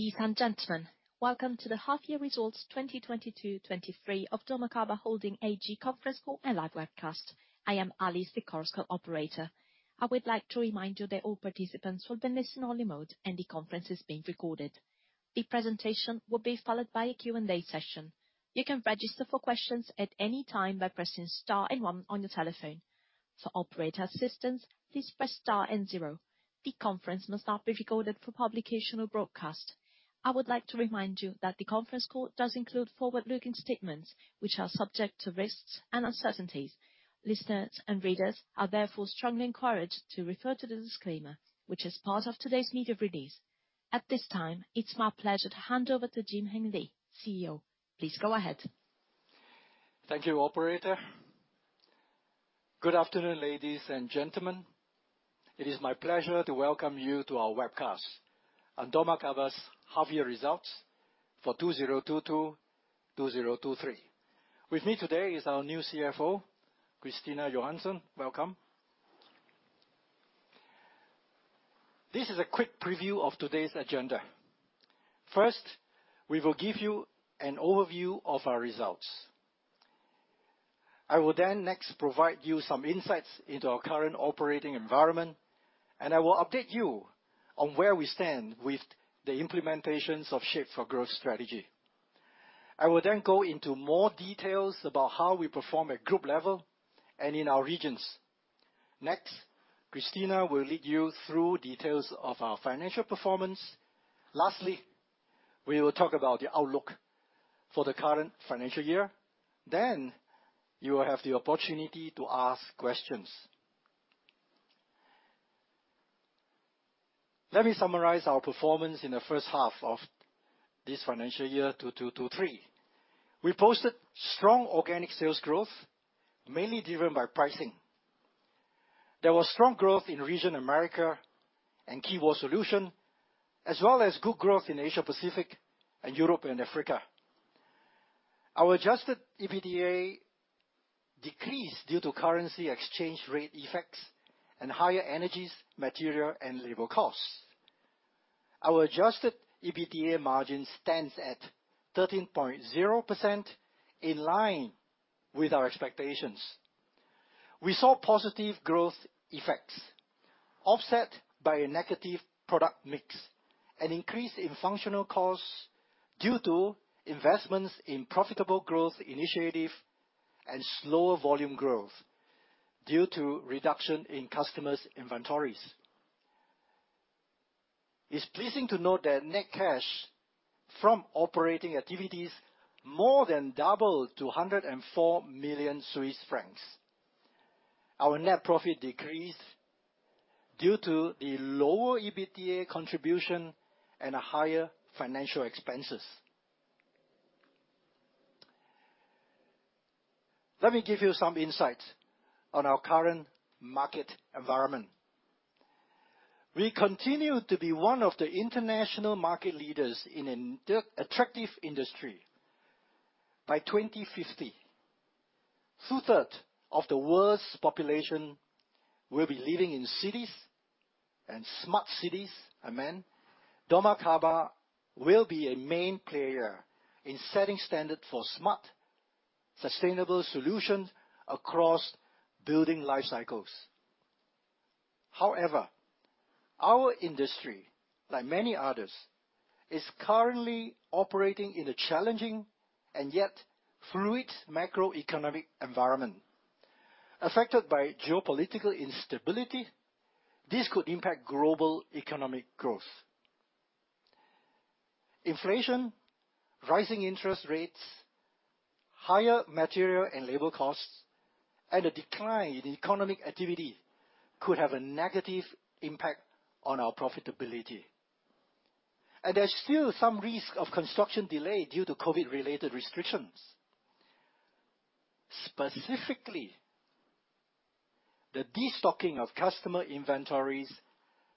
Ladies and gentlemen, welcome to the half year results 2022/2023 of dormakaba Holding AG conference call and live webcast. I am Alice, the conference call operator. I would like to remind you that all participants will be listen only mode, the conference is being recorded. The presentation will be followed by a Q&A session. You can register for questions at any time by pressing star and one on your telephone. For operator assistance, please press star and zero. The conference must not be recorded for publication or broadcast. I would like to remind you that the conference call does include forward-looking statements, which are subject to risks and uncertainties. Listeners and readers are therefore strongly encouraged to refer to the disclaimer, which is part of today's media release. At this time, it's my pleasure to hand over to Jim-Heng Lee, CEO. Please go ahead. Thank you, operator. Good afternoon, ladies and gentlemen. It is my pleasure to welcome you to our webcast on dormakaba's half year results for 2022, 2023. With me today is our new CFO, Christina Johansson. Welcome. This is a quick preview of today's agenda. We will give you an overview of our results. I will next provide you some insights into our current operating environment, and I will update you on where we stand with the implementations of Shape4Growth strategy. I will go into more details about how we perform at group level and in our regions. Christina will lead you through details of our financial performance. We will talk about the outlook for the current financial year. You will have the opportunity to ask questions. Let me summarize our performance in the first half of this financial year, 2023. We posted strong organic sales growth, mainly driven by pricing. There was strong growth in Region Americas and Key & Wall Solutions, as well as good growth in Asia-Pacific and Europe and Africa. Our adjusted EBITDA decreased due to currency exchange rate effects and higher energies, material, and labor costs. Our adjusted EBITDA margin stands at 13.0%, in line with our expectations. We saw positive growth effects offset by a negative product mix, an increase in functional costs due to investments in profitable growth initiative and slower volume growth due to reduction in customers' inventories. It's pleasing to note that net cash from operating activities more than doubled to 104 million Swiss francs. Our net profit decreased due to a lower EBITDA contribution and a higher financial expenses. Let me give you some insights on our current market environment. We continue to be one of the international market leaders in an attractive industry. By 2050, 2/3 of the world's population will be living in cities and smart cities, I mean. Dormakaba will be a main player in setting standard for smart, sustainable solutions across building life cycles. However, our industry, like many others, is currently operating in a challenging and yet fluid macroeconomic environment. Affected by geopolitical instability, this could impact global economic growth. Inflation, rising interest rates, higher material and labor costs, and a decline in economic activity could have a negative impact on our profitability. There's still some risk of construction delay due to COVID-related restrictions. Specifically, the destocking of customer inventories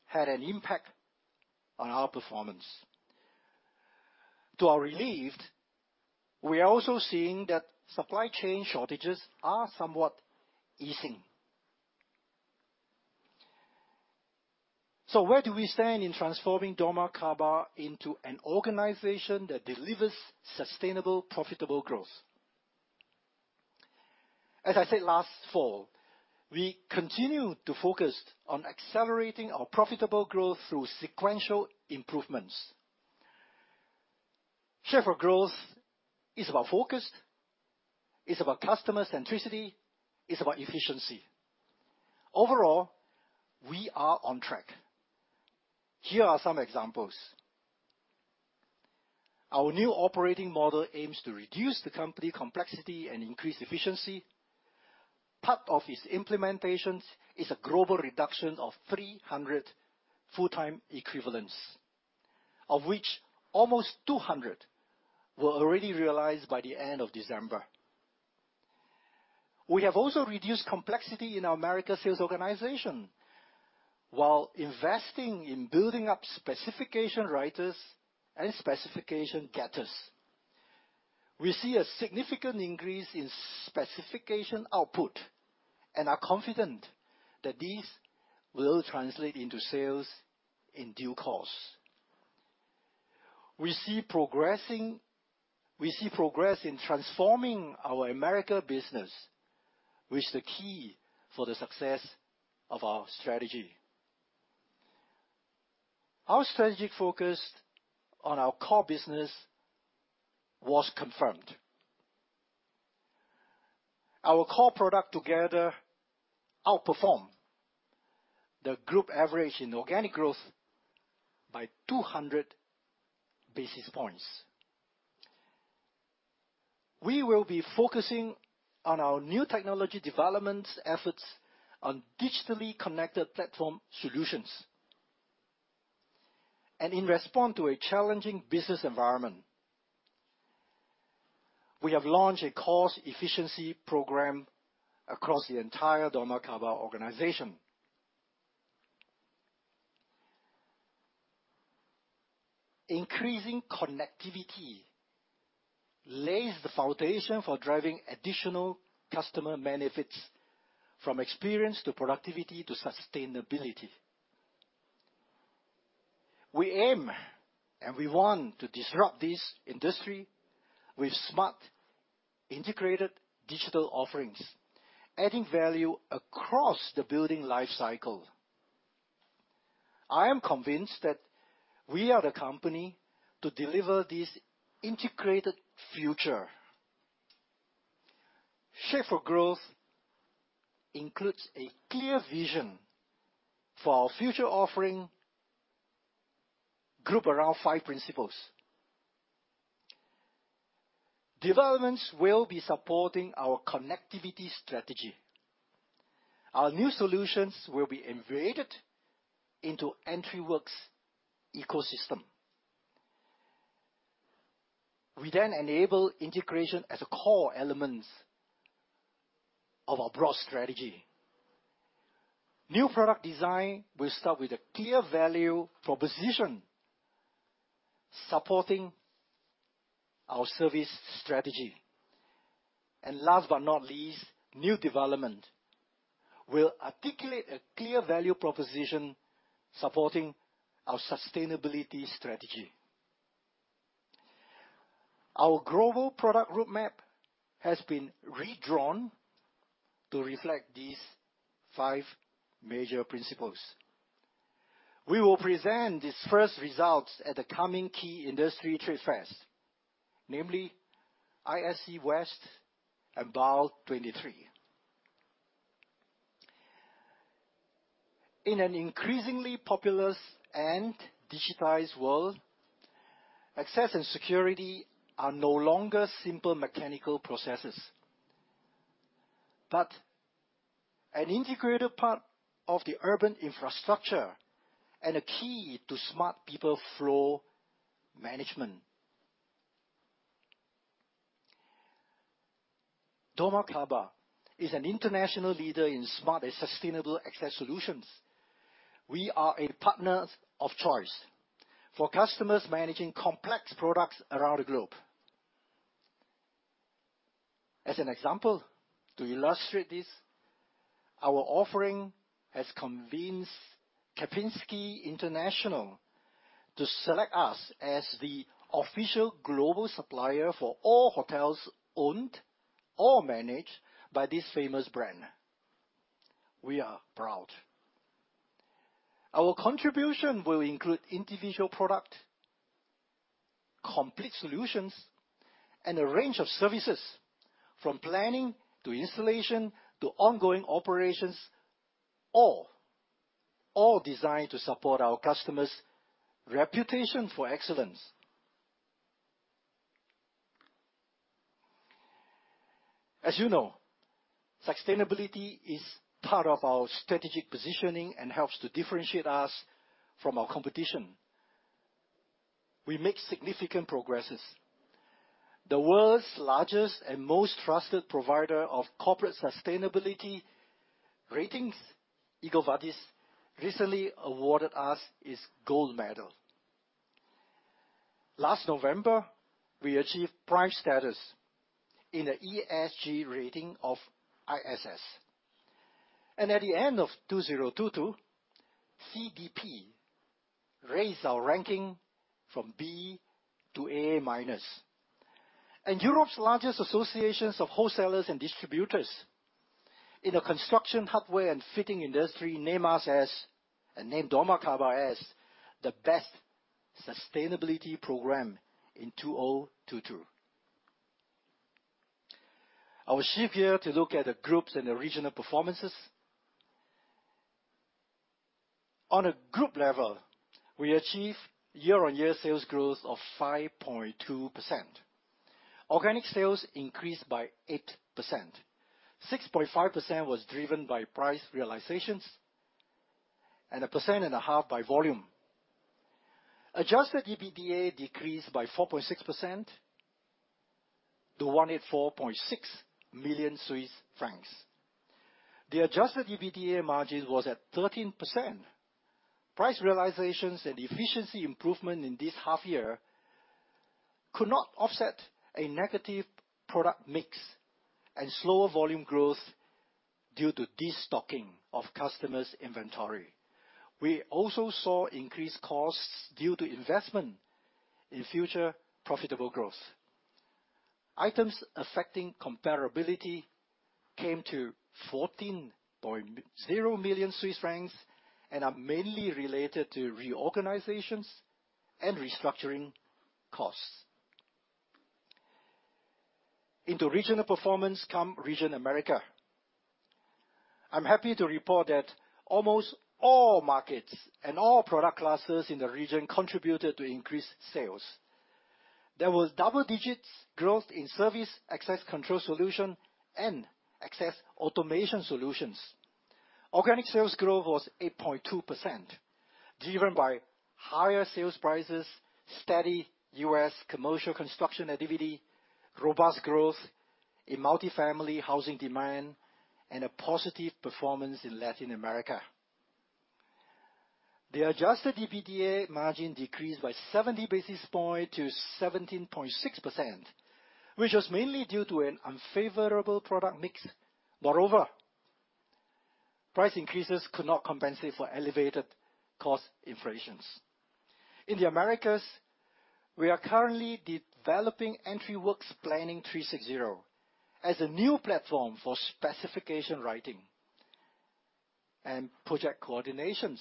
had an impact on our performance. To our relief, we are also seeing that supply chain shortages are somewhat easing. Where do we stand in transforming dormakaba into an organization that delivers sustainable, profitable growth? As I said last fall, we continue to focus on accelerating our profitable growth through sequential improvements. Shape4Growth is about focus, it's about customer centricity, it's about efficiency. Overall, we are on track. Here are some examples. Our new operating model aims to reduce the company complexity and increase efficiency. Part of its implementation is a global reduction of 300 full-time equivalents, of which almost 200 were already realized by the end of December. We have also reduced complexity in our America sales organization, while investing in building up specification writers and specification getters. We see a significant increase in specification output and are confident that these will translate into sales in due course. We see progress in transforming our America business, which the key for the success of our strategy. Our strategic focus on our core business was confirmed. Our core product together outperform the group average in organic growth by 200 basis points. We will be focusing on our new technology developments efforts on digitally connected platform solutions. In response to a challenging business environment, we have launched a cost efficiency program across the entire dormakaba organization. Increasing connectivity lays the foundation for driving additional customer benefits from experience to productivity to sustainability. We aim, we want to disrupt this industry with smart, integrated digital offerings, adding value across the building life cycle. I am convinced that we are the company to deliver this integrated future. Shape4Growth includes a clear vision for our future offering grouped around five principles. Developments will be supporting our connectivity strategy. Our new solutions will be embedded into EntriWorX EcoSystem. We enable integration as a core elements of our broad strategy. New product design will start with a clear value proposition supporting our service strategy. Last but not least, new development will articulate a clear value proposition supporting our sustainability strategy. Our global product roadmap has been redrawn to reflect these five major principles. We will present these first results at the coming key industry trade fairs, namely ISC West and BAU 2023. In an increasingly populous and digitized world, access and security are no longer simple mechanical processes, but an integrated part of the urban infrastructure and a key to smart people flow management. Dormakaba is an international leader in smart and sustainable Access Solutions. We are a partner of choice for customers managing complex products around the globe. As an example to illustrate this, our offering has convinced Kempinski International to select us as the official global supplier for all hotels owned or managed by this famous brand. We are proud. Our contribution will include individual product, complete solutions, and a range of services from planning to installation to ongoing operations, all designed to support our customers' reputation for excellence. As you know, sustainability is part of our strategic positioning and helps to differentiate us from our competition. We make significant progresses. The world's largest and most trusted provider of corporate sustainability ratings, EcoVadis, recently awarded us its gold medal. Last November, we achieved Prime Status in the ESG rating of ISS. At the end of 2022, CDP raised our ranking from B to A-. Europe's largest associations of wholesalers and distributors in the construction, hardware, and fitting industry name as, dormakaba as the best sustainability program in 2022. I will shift gear to look at the groups and the regional performances. On a group level, we achieve year-on-year sales growth of 5.2%. Organic sales increased by 8%. 6.5% was driven by price realizations and 1.5% by volume. Adjusted EBITDA decreased by 4.6% to 184.6 million Swiss francs. The adjusted EBITDA margin was at 13%. Price realizations and efficiency improvement in this half year could not offset a negative product mix and slower volume growth due to destocking of customers' inventory. We also saw increased costs due to investment in future profitable growth. Items Affecting Comparability came to 14.0 million Swiss francs and are mainly related to reorganizations and restructuring costs. Into regional performance, come Region Americas. I'm happy to report that almost all markets and all product classes in the region contributed to increased sales. There was double digits growth in service, access control solutions, and access automation solutions. Organic sales growth was 8.2%, driven by higher sales prices, steady U.S. commercial construction activity, robust growth in multi-family housing demand, and a positive performance in Latin America. The adjusted EBITDA margin decreased by 70 basis points to 17.6%, which was mainly due to an unfavorable product mix. Price increases could not compensate for elevated cost inflations. In the Americas, we are currently developing EntriWorX Planning 360 as a new platform for specification writing and project coordinations.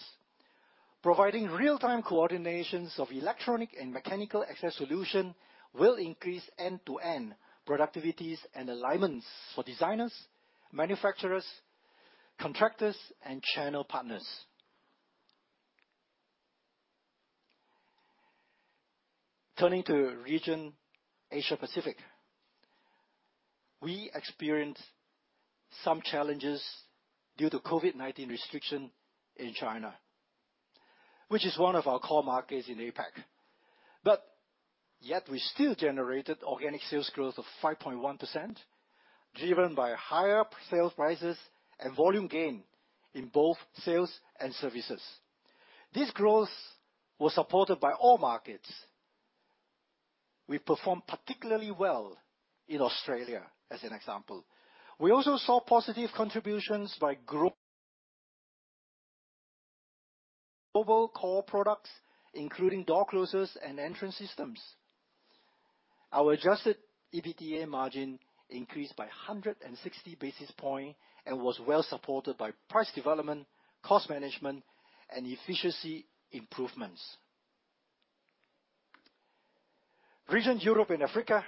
Providing real-time coordination of electronic and mechanical Access Solutions will increase end-to-end productivity and alignment for designers, manufacturers, contractors, and channel partners. Turning to Region Asia-Pacific, we experienced some challenges due to COVID-19 restriction in China, which is one of our core markets in APAC. We still generated organic sales growth of 5.1%, driven by higher sales prices and volume gain in both sales and services. This growth was supported by all markets. We performed particularly well in Australia, as an example. We also saw positive contributions by global core products, including door closers and entrance systems. Our adjusted EBITDA margin increased by 160 basis points and was well supported by price development, cost management, and efficiency improvements. Region Europe and Africa,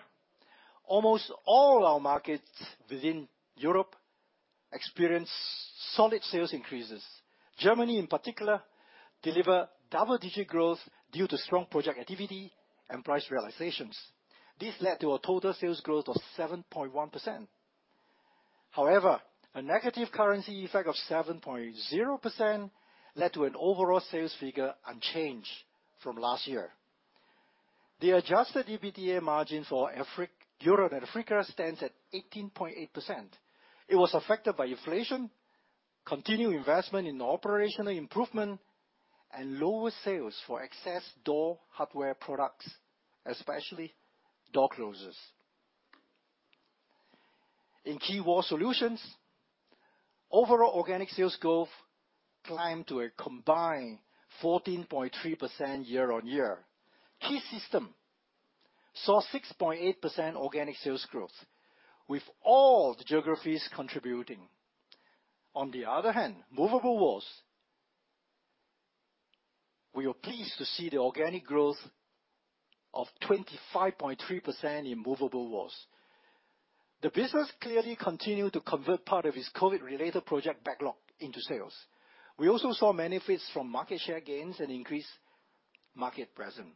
almost all our markets within Europe experienced solid sales increases. Germany, in particular, delivered double-digit growth due to strong project activity and price realizations. This led to a total sales growth of 7.1%. A negative currency effect of 7.0% led to an overall sales figure unchanged from last year. The adjusted EBITDA margin for Europe and Africa stands at 18.8%. It was affected by inflation, continued investment in operational improvement, and lower sales for access door hardware products, especially door closers. In Key & Wall Solutions, overall organic sales growth climbed to a combined 14.3% year-over-year. Key Systems saw 6.8% organic sales growth with all the geographies contributing. On the other hand, movable walls, we were pleased to see the organic growth of 25.3% in movable walls. The business clearly continued to convert part of its COVID-related project backlog into sales. We also saw benefits from market share gains and increased market presence.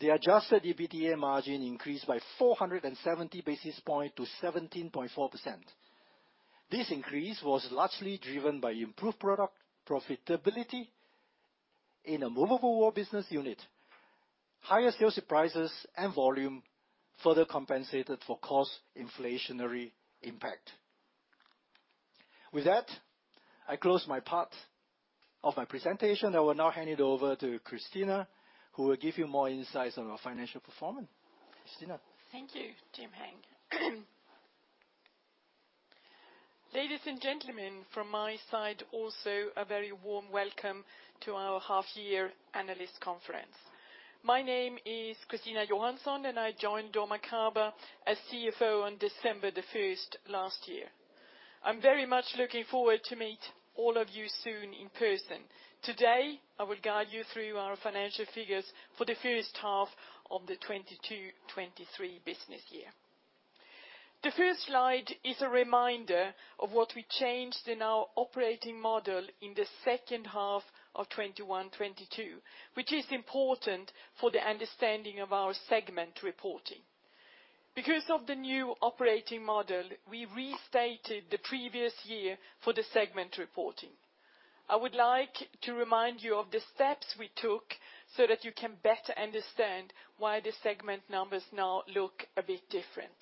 The adjusted EBITDA margin increased by 470 basis points to 17.4%. This increase was largely driven by improved product profitability in the movable wall business unit. Higher sales prices and volume further compensated for cost inflationary impact. With that, I close my part of my presentation. I will now hand it over to Christina, who will give you more insights on our financial performance. Christina. Thank you, Jim-Heng. Ladies and gentlemen, from my side also, a very warm welcome to our half year analyst conference. My name is Christina Johansson, and I joined dormakaba as CFO on December the 1st last year. I'm very much looking forward to meet all of you soon in person. Today, I will guide you through our financial figures for the first half of the 2022, 2023 business year. The first slide is a reminder of what we changed in our operating model in the second half of 2021, 2022, which is important for the understanding of our segment reporting. Because of the new operating model, we restated the previous year for the segment reporting. I would like to remind you of the steps we took so that you can better understand why the segment numbers now look a bit different.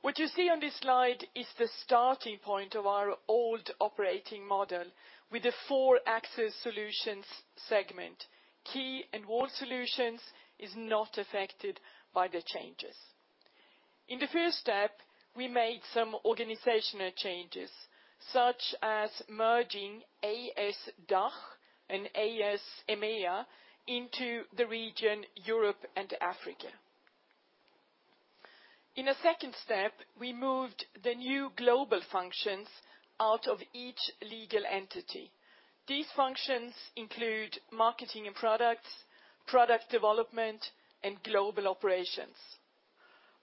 What you see on this slide is the starting point of our old operating model with the four Access Solutions segment. Key & Wall Solutions is not affected by the changes. In the first step, we made some organizational changes, such as merging AS DACH and AS EMEA into the Region Europe and Africa. In a second step, we moved the new global functions out of each legal entity. These functions include marketing and products, product development, and global operations.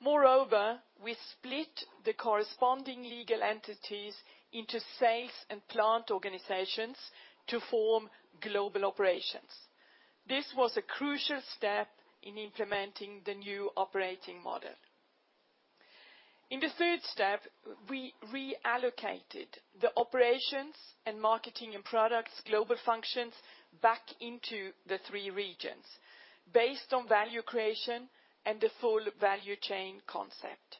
Moreover, we split the corresponding legal entities into sales and plant organizations to form global operations. This was a crucial step in implementing the new operating model. In the third step, we reallocated the operations and marketing and products global functions back into the three regions based on value creation and the full value chain concept.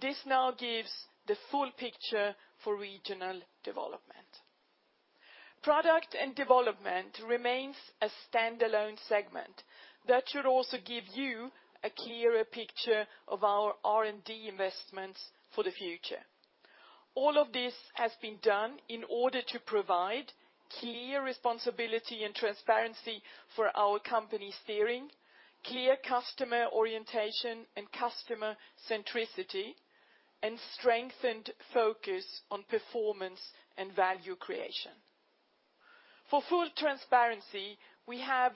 This now gives the full picture for regional development. Product and development remains a standalone segment. That should also give you a clearer picture of our R&D investments for the future. All of this has been done in order to provide clear responsibility and transparency for our company steering, clear customer orientation and customer centricity, and strengthened focus on performance and value creation. For full transparency, we have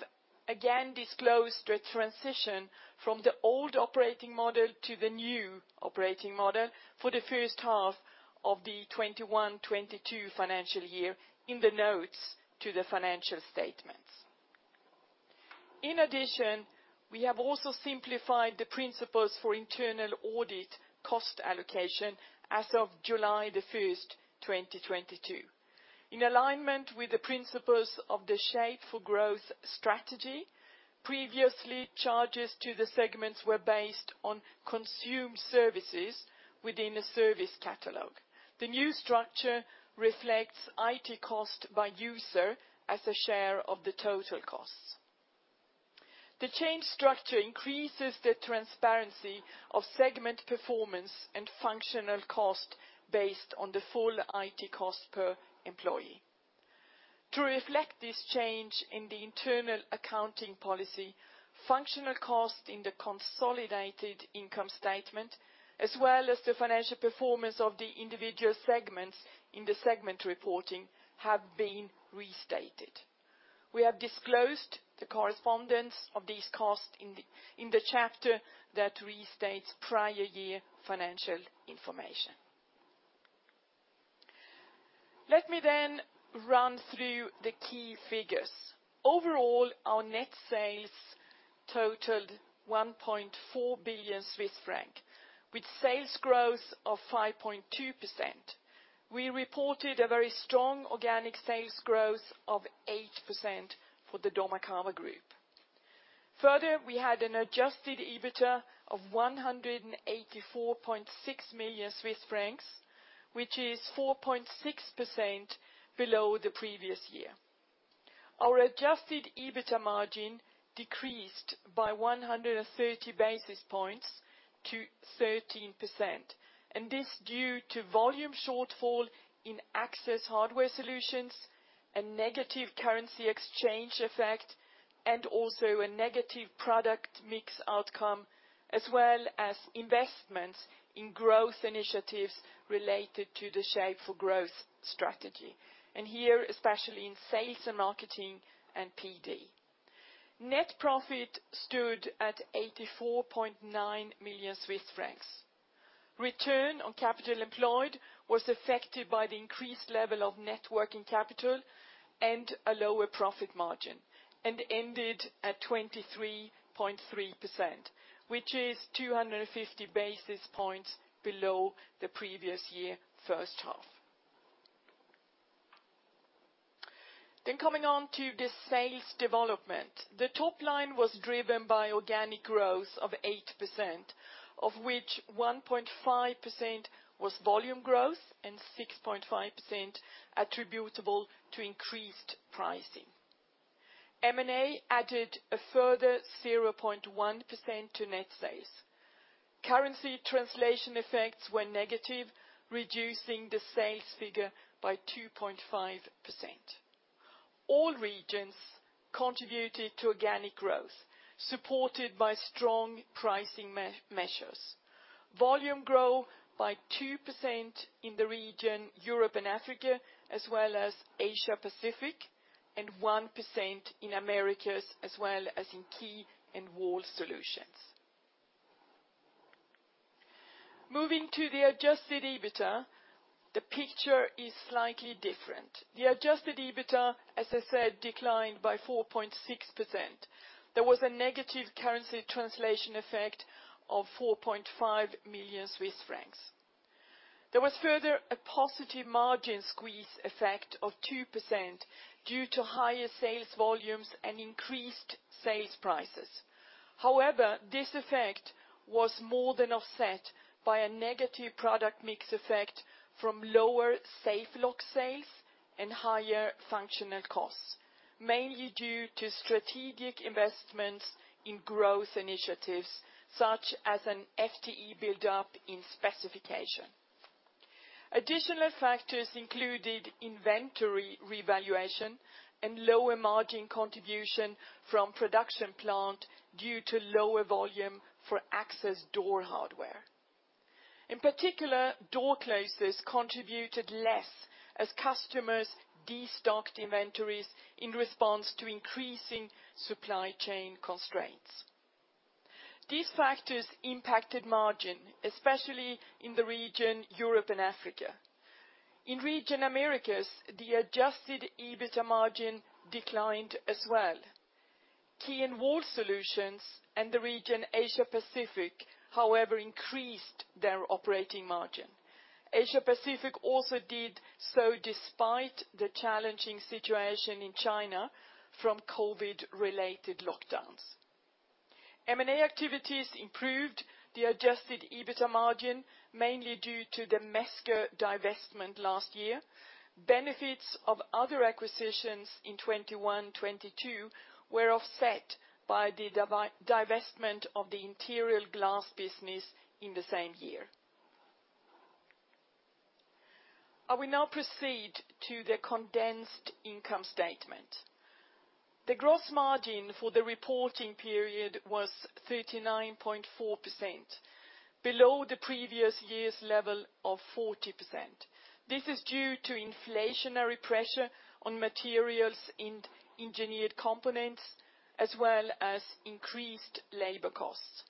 again disclosed a transition from the old operating model to the new operating model for the first half of the 2021/2022 financial year in the notes to the financial statements. In addition, we have also simplified the principles for internal audit cost allocation as of July the 1st, 2022. In alignment with the principles of the Shape4Growth strategy, previously, charges to the segments were based on consumed services within a service catalog. The new structure reflects IT cost by user as a share of the total costs. The change structure increases the transparency of segment performance and functional cost based on the full IT cost per employee. To reflect this change in the internal accounting policy, functional cost in the consolidated income statement, as well as the financial performance of the individual segments in the segment reporting, have been restated. We have disclosed the correspondence of these costs in the chapter that restates prior year financial information. Let me run through the key figures. Overall, our net sales totaled 1.4 billion Swiss franc, with sales growth of 5.2%. We reported a very strong organic sales growth of 8% for the dormakaba Group. We had an adjusted EBITDA of 184.6 million Swiss francs, which is 4.6% below the previous year. Our adjusted EBITDA margin decreased by 130 basis points to 13%, and this due to volume shortfall in access hardware solutions and negative currency exchange effect and also a negative product mix outcome, as well as investments in growth initiatives related to the Shape4Growth strategy, and here, especially in sales and marketing and PD. Net profit stood at 84.9 million Swiss francs. Return on capital employed was affected by the increased level of net working capital and a lower profit margin and ended at 23.3%, which is 250 basis points below the previous year first half. Coming on to the sales development. The top line was driven by organic growth of 8%, of which 1.5% was volume growth and 6.5% attributable to increased pricing. M&A added a further 0.1% to net sales. Currency translation effects were negative, reducing the sales figure by 2.5%. All regions contributed to organic growth, supported by strong pricing measures. Volume grow by 2% in the Region Europe and Africa, as well as Asia-Pacific, and 1% in Americas, as well as in Key & Wall Solutions. Moving to the adjusted EBITDA, the picture is slightly different. The adjusted EBITDA, as I said, declined by 4.6%. There was a negative currency translation effect of 4.5 million Swiss francs. There was further a positive margin squeeze effect of 2% due to higher sales volumes and increased sales prices. This effect was more than offset by a negative product mix effect from lower Safe Locks sales and higher functional costs, mainly due to strategic investments in growth initiatives such as an FTE buildup in specification. Additional factors included inventory revaluation and lower margin contribution from production plant due to lower volume for access door hardware. In particular, door closers contributed less as customers destocked inventories in response to increasing supply chain constraints. These factors impacted margin, especially in the Region Europe and Africa. In Region Americas, the adjusted EBITDA margin declined as well. Key & Wall Solutions and the Region Asia-Pacific, however, increased their operating margin. Asia-Pacific also did so despite the challenging situation in China from COVID-related lockdowns. M&A activities improved the adjusted EBITDA margin, mainly due to the Mesker divestment last year. Benefits of other acquisitions in 2021, 2022 were offset by the divestment of the interior glass business in the same year. I will now proceed to the condensed income statement. The gross margin for the reporting period was 39.4%, below the previous year's level of 40%. This is due to inflationary pressure on materials in engineered components as well as increased labor costs.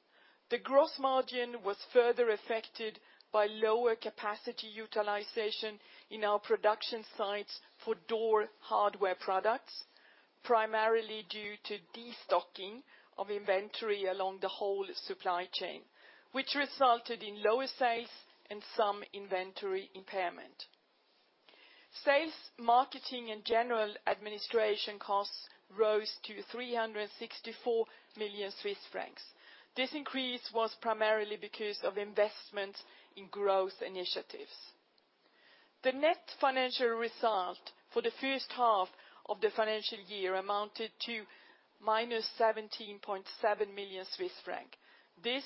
The gross margin was further affected by lower capacity utilization in our production sites for door hardware products, primarily due to destocking of inventory along the whole supply chain, which resulted in lower sales and some inventory impairment. Sales, marketing, and general administration costs rose to 364 million Swiss francs. This increase was primarily because of investments in growth initiatives. The net financial result for the first half of the financial year amounted to -17.7 million Swiss francs. This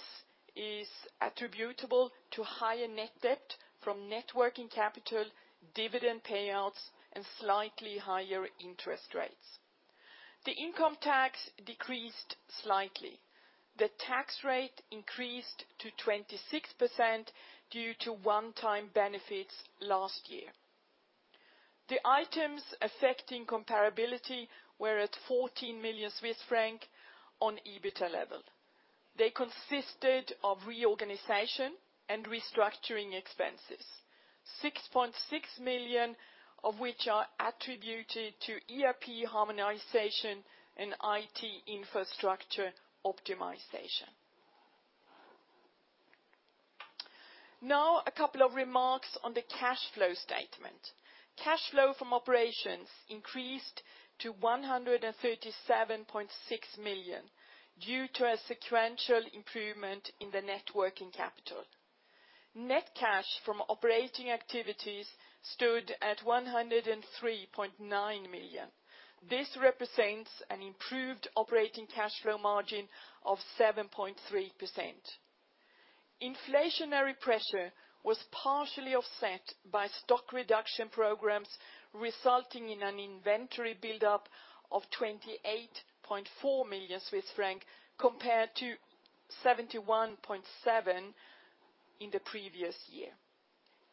is attributable to higher net debt from net working capital, dividend payouts, and slightly higher interest rates. The income tax decreased slightly. The tax rate increased to 26% due to one-time benefits last year. The Items Affecting Comparability were at 14 million Swiss francs on EBITDA level. They consisted of reorganization and restructuring expenses, 6.6 million of which are attributed to ERP harmonization and IT infrastructure optimization. A couple of remarks on the cash flow statement. Cash flow from operations increased to 137.6 million due to a sequential improvement in the net working capital. Net cash from operating activities stood at 103.9 million. This represents an improved operating cash flow margin of 7.3%. Inflationary pressure was partially offset by stock reduction programs, resulting in an inventory buildup of 28.4 million Swiss francs compared to 71.7 million in the previous year.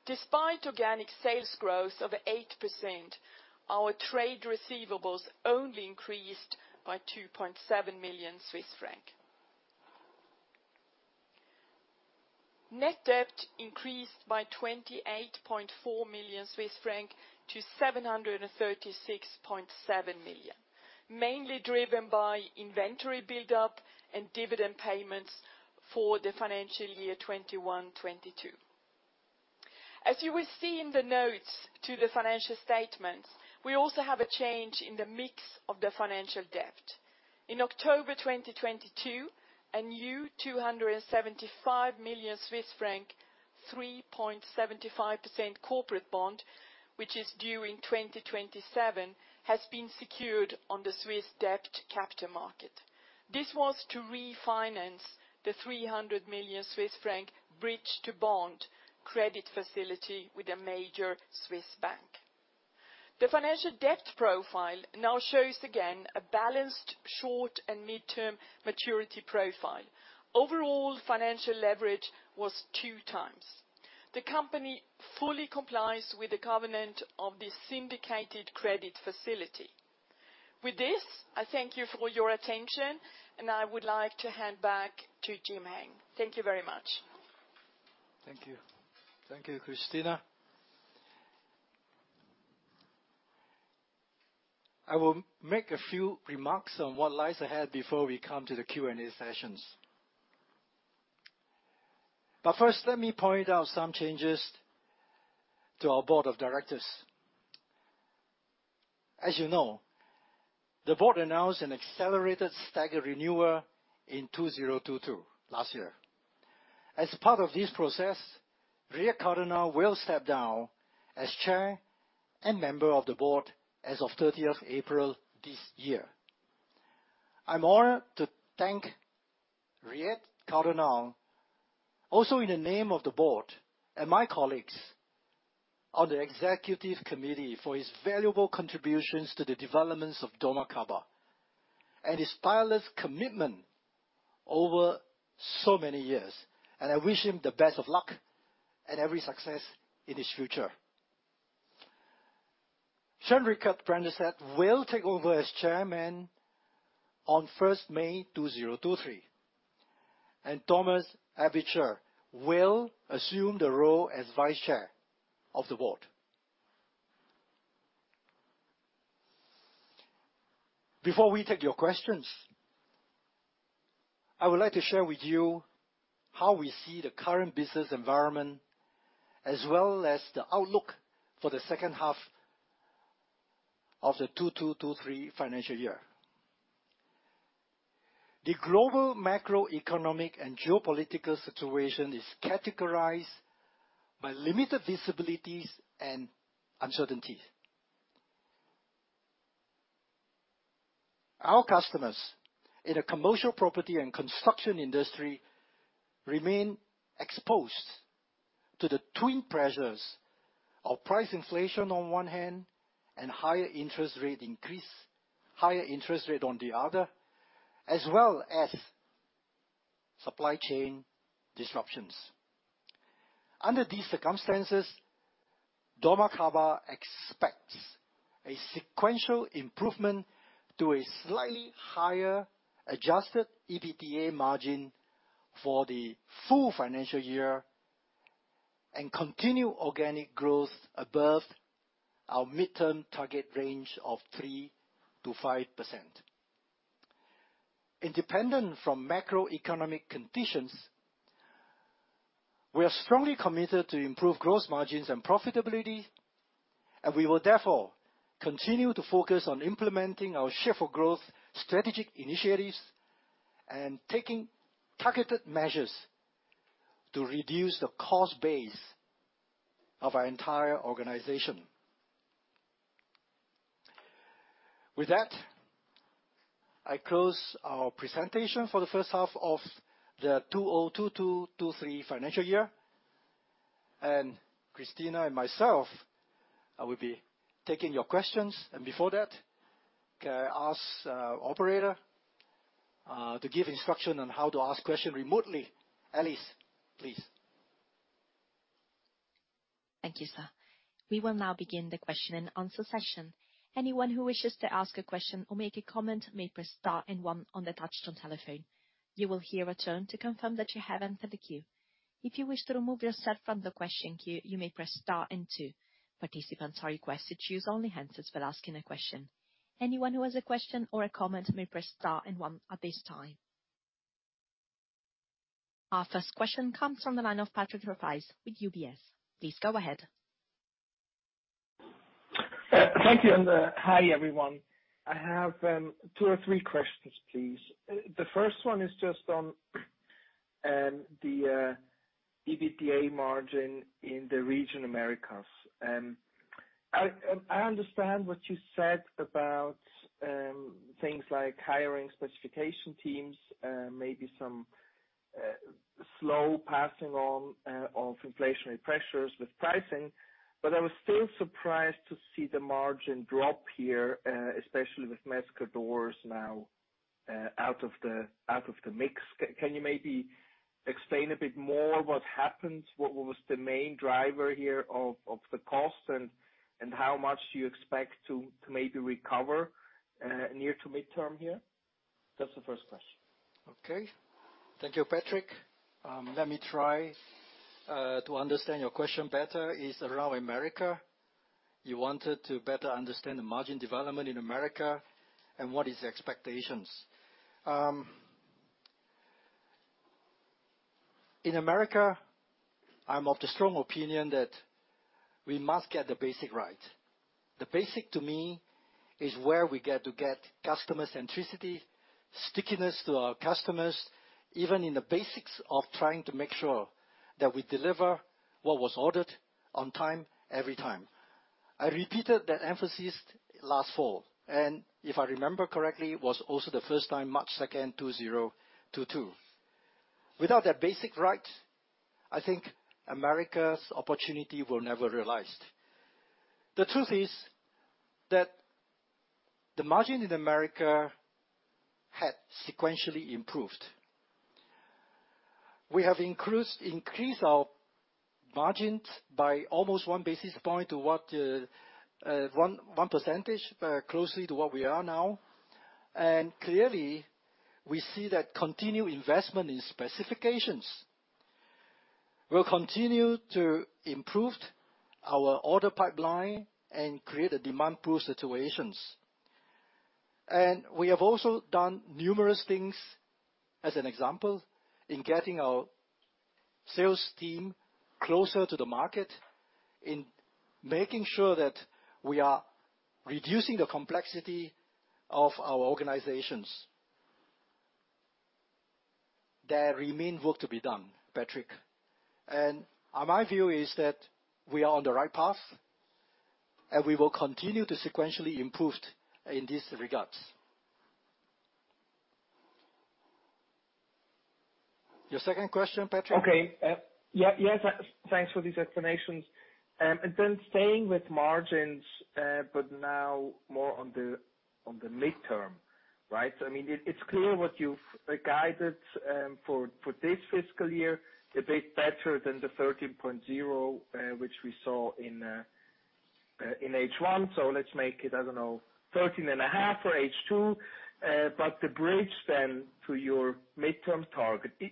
Despite organic sales growth of 8%, our trade receivables only increased by CHF 2.7 million. Net debt increased by 28.4 million-736.7 million Swiss francs, mainly driven by inventory buildup and dividend payments for the financial year 2021, 2022. As you will see in the notes to the financial statements, we also have a change in the mix of the financial debt. In October 2022, a new CHF 275 million, 3.75% corporate bond, which is due in 2027, has been secured on the Swiss debt capital market. This was to refinance the 300 million Swiss franc bridge to bond credit facility with a major Swiss bank. The financial debt profile now shows again a balanced short and mid-term maturity profile. Overall, financial leverage was 2x. The company fully complies with the covenant of the syndicated credit facility. With this, I thank you for your attention, I would like to hand back to Jim-Heng Lee. Thank you very much. Thank you. Thank you, Christina. I will make a few remarks on what lies ahead before we come to the Q&A sessions. First, let me point out some changes to our Board of Directors. As you know, the Board announced an accelerated staggered renewal in 2022, last year. As part of this process, Riet Cadonau will step down as Chair and member of the Board as of 30th April this year. I'm honored to thank Riet Cadonau, also in the name of the Board and my colleagues on the executive committee, for his valuable contributions to the developments of dormakaba and his tireless commitment over so many years. I wish him the best of luck and every success in his future. Svein Richard Brandtzæg will take over as Chairman on 1st May 2023, and Thomas Aebischer will assume the role as Vice-Chair of the board. Before we take your questions, I would like to share with you how we see the current business environment, as well as the outlook for the second half of the 2023 financial year. The global macroeconomic and geopolitical situation is categorized by limited visibilities and uncertainties. Our customers in the commercial property and construction industry remain exposed to the twin pressures of price inflation on one hand and higher interest rate on the other, as well as supply chain disruptions. Under these circumstances, dormakaba expects a sequential improvement to a slightly higher adjusted EBITA margin for the full financial year and continued organic growth above our midterm target range of 3%-5%. Independent from macroeconomic conditions, we are strongly committed to improve gross margins and profitability, and we will therefore continue to focus on implementing our Shape4Growth strategic initiatives and taking targeted measures to reduce the cost base of our entire organization. With that, I close our presentation for the first half of the 2022-2023 financial year. Christina and myself will be taking your questions. Before that, can I ask operator to give instruction on how to ask question remotely. Alice, please. Thank you, sir. We will now begin the question-and-answer session. Anyone who wishes to ask a question or make a comment may press star and one on the touch-tone telephone. You will hear a tone to confirm that you have entered the queue. If you wish to remove yourself from the question queue, you may press star and two. Participants are requested to use only hands for asking a question. Anyone who has a question or a comment may press star and one at this time. Our first question comes from the line of Patrick Rafaisz with UBS. Please go ahead. Thank you. Hi, everyone. I have two or three questions, please. The first one is just on the EBITA margin in the Region Americas. I understand what you said about things like hiring specification teams, maybe some slow passing on of inflationary pressures with pricing. I was still surprised to see the margin drop here, especially with Mesco Doors now out of the mix. Can you maybe explain a bit more what happens? What was the main driver here of the cost and how much do you expect to maybe recover near to midterm here? That's the first question. Okay. Thank you, Patrick. Let me try to understand your question better. Is around America, you wanted to better understand the margin development in America and what is the expectations. In America, I'm of the strong opinion that we must get the basic right. The basic to me is where we get to get customer centricity, stickiness to our customers, even in the basics of trying to make sure that we deliver what was ordered on time, every time. I repeated that emphasis last fall, and if I remember correctly, it was also the first time, March 2, 2022. Without that basic right, I think America's opportunity will never be realized. The truth is that the margin in America had sequentially improved. We have increased our margins by almost 1 basis point to what, 1 percentage, closely to what we are now. Clearly, we see that continued investment in specifications. We'll continue to improve our order pipeline and create a demand pool situations. We have also done numerous things, as an example, in getting our sales team closer to the market, in making sure that we are reducing the complexity of our organizations. There remain work to be done, Patrick. My view is that we are on the right path, and we will continue to sequentially improve in these regards. Your second question, Patrick? Okay. Yeah, yes. Thanks for these explanations. Then staying with margins, but now more on the, on the midterm, right? I mean, it's clear what you've guided, for this fiscal year, a bit better than the 13.0%, which we saw in H1. Let's make it, I don't know, 13.5% for H2. The bridge then to your midterm target, it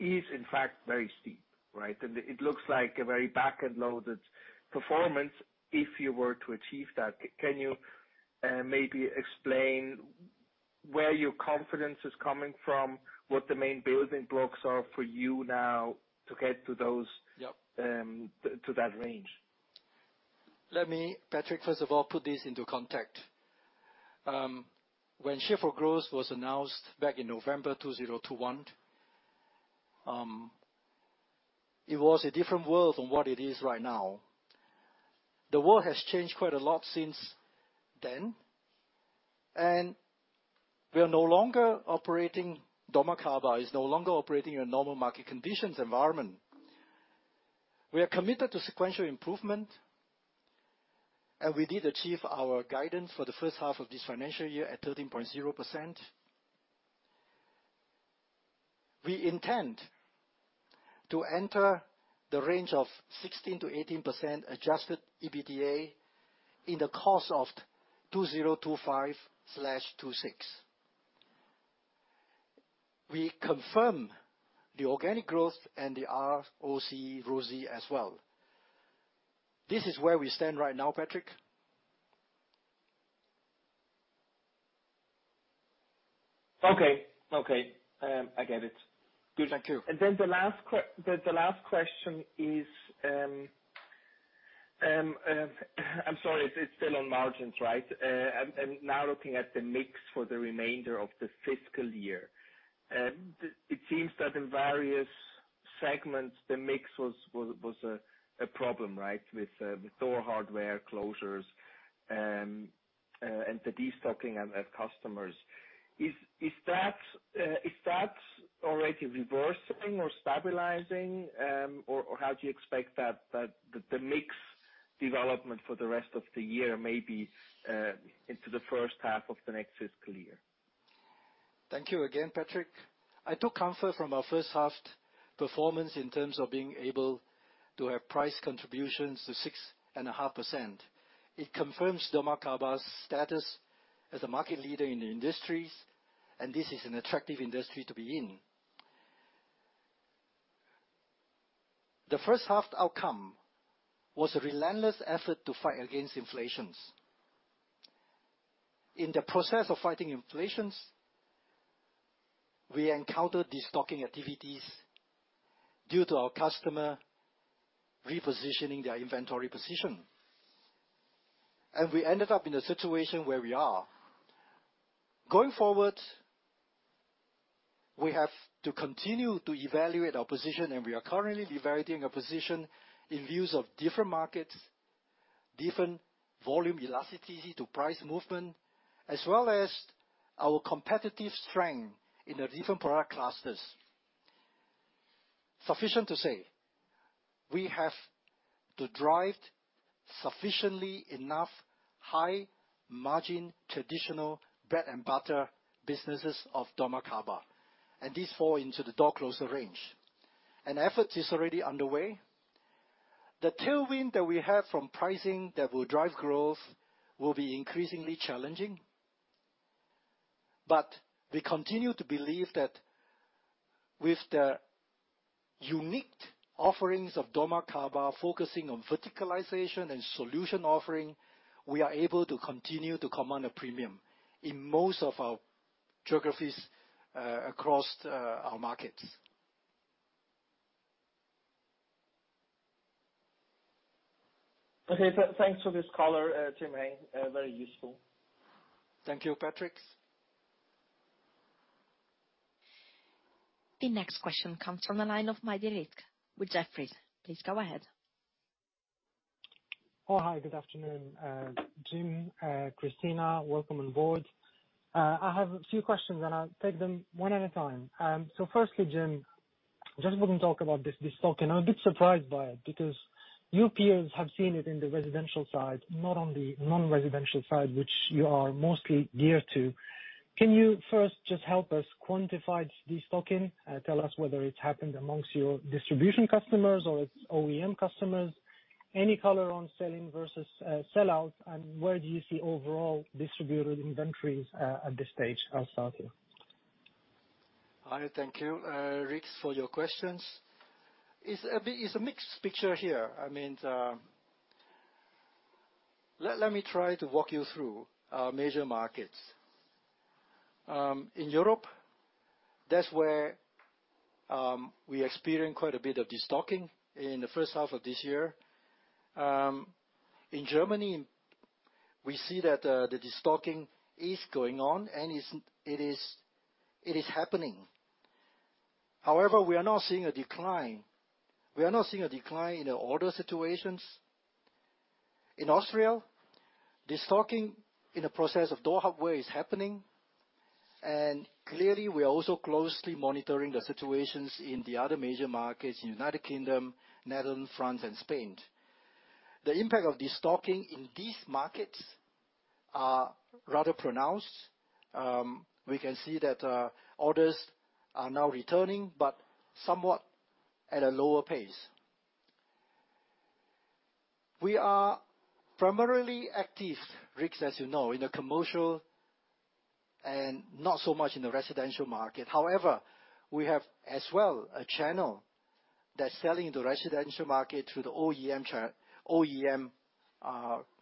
is in fact very steep, right? It looks like a very back-end loaded performance if you were to achieve that. Can you maybe explain where your confidence is coming from, what the main building blocks are for you now to get to those- Yep. - to that range? Let me, Patrick, first of all, put this into context. When Shape4Growth was announced back in November 2021, it was a different world than what it is right now. The world has changed quite a lot since then. We are no longer operating, dormakaba is no longer operating in a normal market conditions environment. We are committed to sequential improvement. We did achieve our guidance for the first half of this financial year at 13.0%. We intend to enter the range of 16%-18% adjusted EBITDA in the course of 2025/2026. We confirm the organic growth and the ROCE as well. This is where we stand right now, Patrick. Okay. Okay. I get it. Good. Thank you. The last, the last question is, I'm sorry, it's still on margins, right? I'm now looking at the mix for the remainder of the fiscal year. It seems that in various segments, the mix was a problem, right? With door hardware closures and the destocking at customers. Is that already reversing or stabilizing, or how do you expect that the mix development for the rest of the year may be into the first half of the next fiscal year? Thank you again, Patrick. I took comfort from our first half performance in terms of being able to have price contributions to 6.5%. It confirms dormakaba's status as a market leader in the industries, and this is an attractive industry to be in. The first half outcome was a relentless effort to fight against inflations. In the process of fighting inflations, we encountered destocking activities due to our customer repositioning their inventory position, and we ended up in a situation where we are. Going forward, we have to continue to evaluate our position, and we are currently reevaluating our position in views of different markets, different volume elasticity to price movement, as well as our competitive strength in the different product classes. Sufficient to say, we have to drive sufficiently enough high margin traditional bread and butter businesses of dormakaba. These fall into the door closure range. An effort is already underway. The tailwind that we have from pricing that will drive growth will be increasingly challenging. We continue to believe that with the unique offerings of dormakaba focusing on verticalization and solution offering, we are able to continue to command a premium in most of our geographies across our markets. Okay. Thanks for this color, Jim-Heng, very useful. Thank you, Patrick. The next question comes from the line of Rizk Maidi with Jefferies. Please go ahead. Hi, good afternoon, Jim, Christina. Welcome on board. I have a few questions, and I'll take them one at a time. Firstly, Jim, just want to talk about this stock, and I'm a bit surprised by it because your peers have seen it in the residential side, not on the non-residential side, which you are mostly geared to. Can you first just help us quantify destocking? Tell us whether it's happened amongst your distribution customers or its OEM customers. Any color on selling versus sell-out, and where do you see overall distributor inventories at this stage? I'll start here. Hi. Thank you, Rizk, for your questions. It's a mixed picture here. I mean, let me try to walk you through our major markets. In Europe, that's where we experienced quite a bit of destocking in the first half of this year. In Germany we see that the destocking is going on, and it is happening. We are not seeing a decline. We are not seeing a decline in the order situations. In Austria, destocking in the process of door hardware is happening, clearly we are also closely monitoring the situations in the other major markets in United Kingdom, Netherlands, France and Spain. The impact of destocking in these markets are rather pronounced. We can see that orders are now returning but somewhat at a lower pace. We are primarily active, Rizk, as you know, in the commercial and not so much in the residential market. However, we have as well a channel that's selling the residential market through the OEM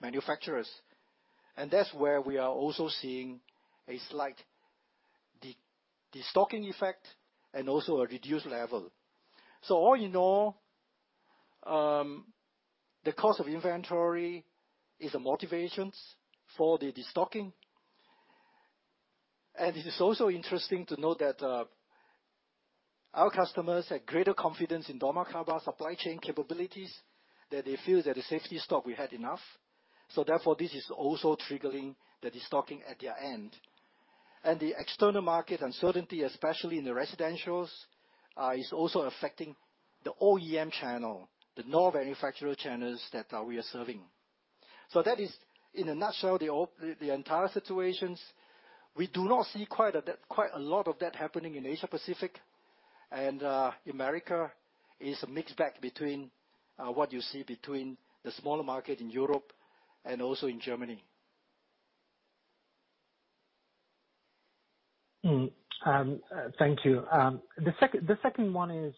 manufacturers. That's where we are also seeing a slight destocking effect and also a reduced level. All you know, the cost of inventory is the motivations for the destocking. It is also interesting to know that our customers have greater confidence in dormakaba supply chain capabilities, that they feel that the safety stock we had enough. Therefore, this is also triggering the destocking at their end. The external market uncertainty, especially in the residential, is also affecting the OEM channel. The no manufacturer channels that we are serving. That is in a nutshell the entire situations. We do not see quite a lot of that happening in Asia-Pacific and America is a mixed bag what you see between the smaller market in Europe and also in Germany. Thank you. The second one is,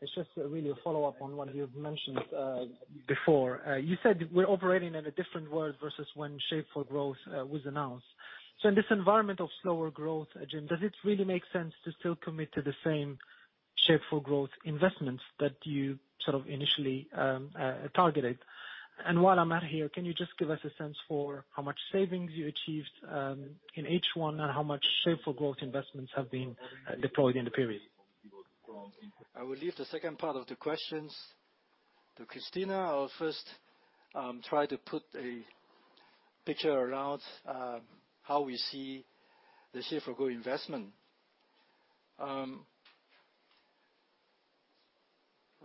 it's just really a follow-up on what you've mentioned before. You said we're operating in a different world versus when Shape4Growth was announced. In this environment of slower growth, Jim, does it really make sense to still commit to the same Shape4Growth investments that you sort of initially targeted? While I'm at here, can you just give us a sense for how much savings you achieved in H1 and how much Shape4Growth investments have been deployed in the period? I will leave the second part of the questions to Christina. I'll first try to put a picture around how we see the Shape4Growth investment.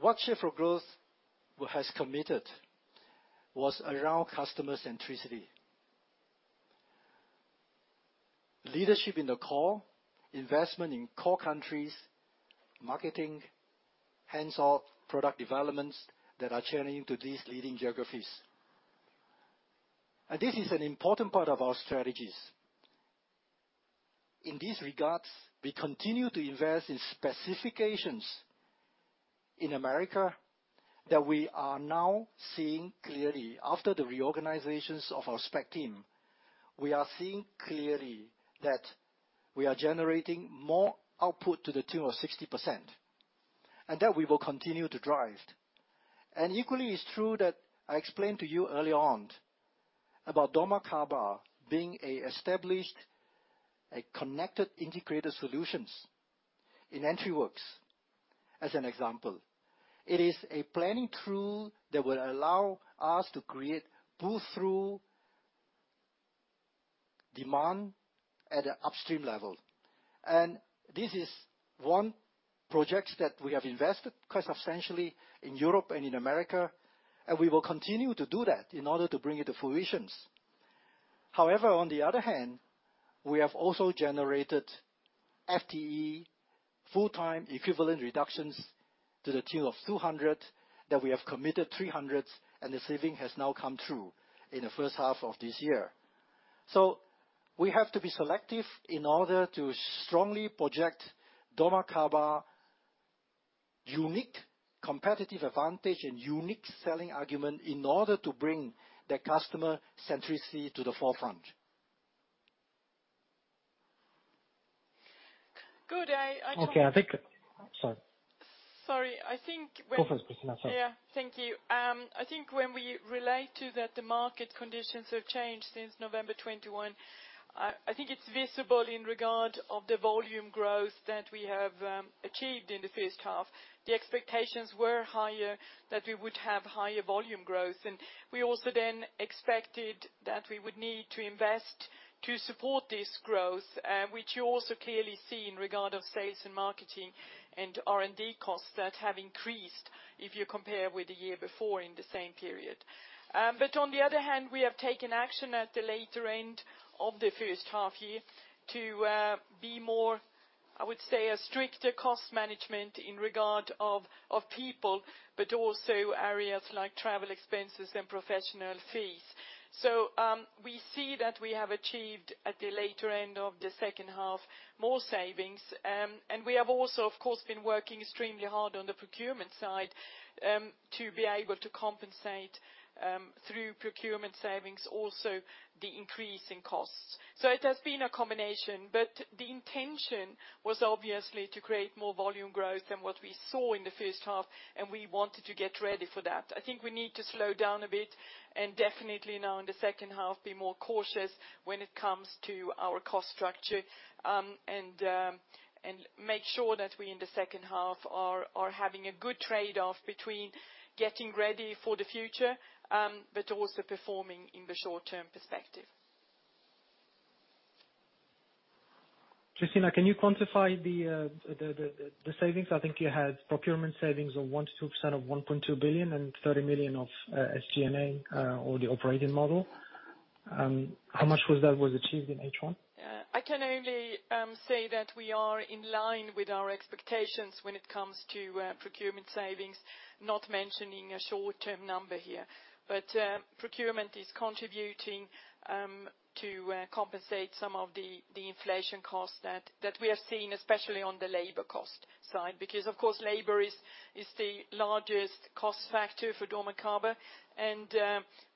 What Shape4Growth has committed was around customer centricity. Leadership in the core, investment in core countries, marketing, hands-off product developments that are channeling to these leading geographies. This is an important part of our strategies. In this regards, we continue to invest in specifications in America that we are now seeing clearly. After the reorganizations of our spec team, we are seeing clearly that we are generating more output to the tune of 60%, and that we will continue to drive. Equally it's true that I explained to you earlier on about dormakaba being a established, a connected integrated solutions in EntriWorX as an example. It is a planning tool that will allow us to create pull-through demand at a upstream level. This is one projects that we have invested quite substantially in Europe and in America, and we will continue to do that in order to bring it to fruitions. However, on the other hand, we have also generated FTE, full-time equivalent reductions to the tune of 200, that we have committed 300, and the saving has now come through in the first half of this year. We have to be selective in order to strongly project dormakaba unique competitive advantage and unique selling argument in order to bring the customer centricity to the forefront. Good. I don't- Okay, I think... Sorry. Sorry. I think. Go first, Christina. Sorry. Yeah. Thank you. I think when we relate to that the market conditions have changed since November 2021, I think it's visible in regard of the volume growth that we have achieved in the first half. The expectations were higher that we would have higher volume growth. We also then expected that we would need to invest to support this growth, which you also clearly see in regard of sales and marketing and R&D costs that have increased if you compare with the year before in the same period. On the other hand, we have taken action at the later end of the first half year to be a stricter cost management in regard of people, but also areas like travel expenses and professional fees. We see that we have achieved at the later end of the second half more savings. We have also, of course, been working extremely hard on the procurement side to be able to compensate through procurement savings, also the increase in costs. It has been a combination, but the intention was obviously to create more volume growth than what we saw in the first half, and we wanted to get ready for that. I think we need to slow down a bit and definitely now in the second half be more cautious when it comes to our cost structure and make sure that we in the second half are having a good trade-off between getting ready for the future, but also performing in the short-term perspective. Christina, can you quantify the savings? I think you had procurement savings of 1%-2% of 1.2 billion and 30 million of SG&A or the operating model. How much was that was achieved in H1? Yeah. I can only say that we are in line with our expectations when it comes to procurement savings, not mentioning a short-term number here. Procurement is contributing to compensate some of the inflation costs that we have seen, especially on the labor cost side. Of course, labor is the largest cost factor for dormakaba, and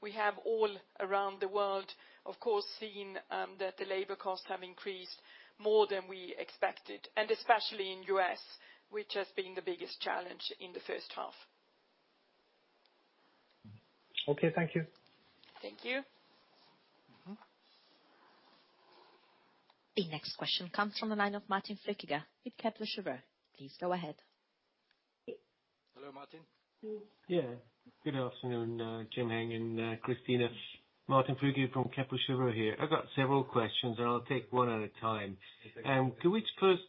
we have all around the world, of course, seen that the labor costs have increased more than we expected, and especially in the U.S., which has been the biggest challenge in the first half. Okay, thank you. Thank you. The next question comes from the line of Martin Flueckiger with Kepler Cheuvreux. Please go ahead. Hello, Martin. Good afternoon, Jim-Heng Lee and Christina. Martin Flueckiger from Kepler Cheuvreux here. I've got several questions, and I'll take one at a time. Can we just first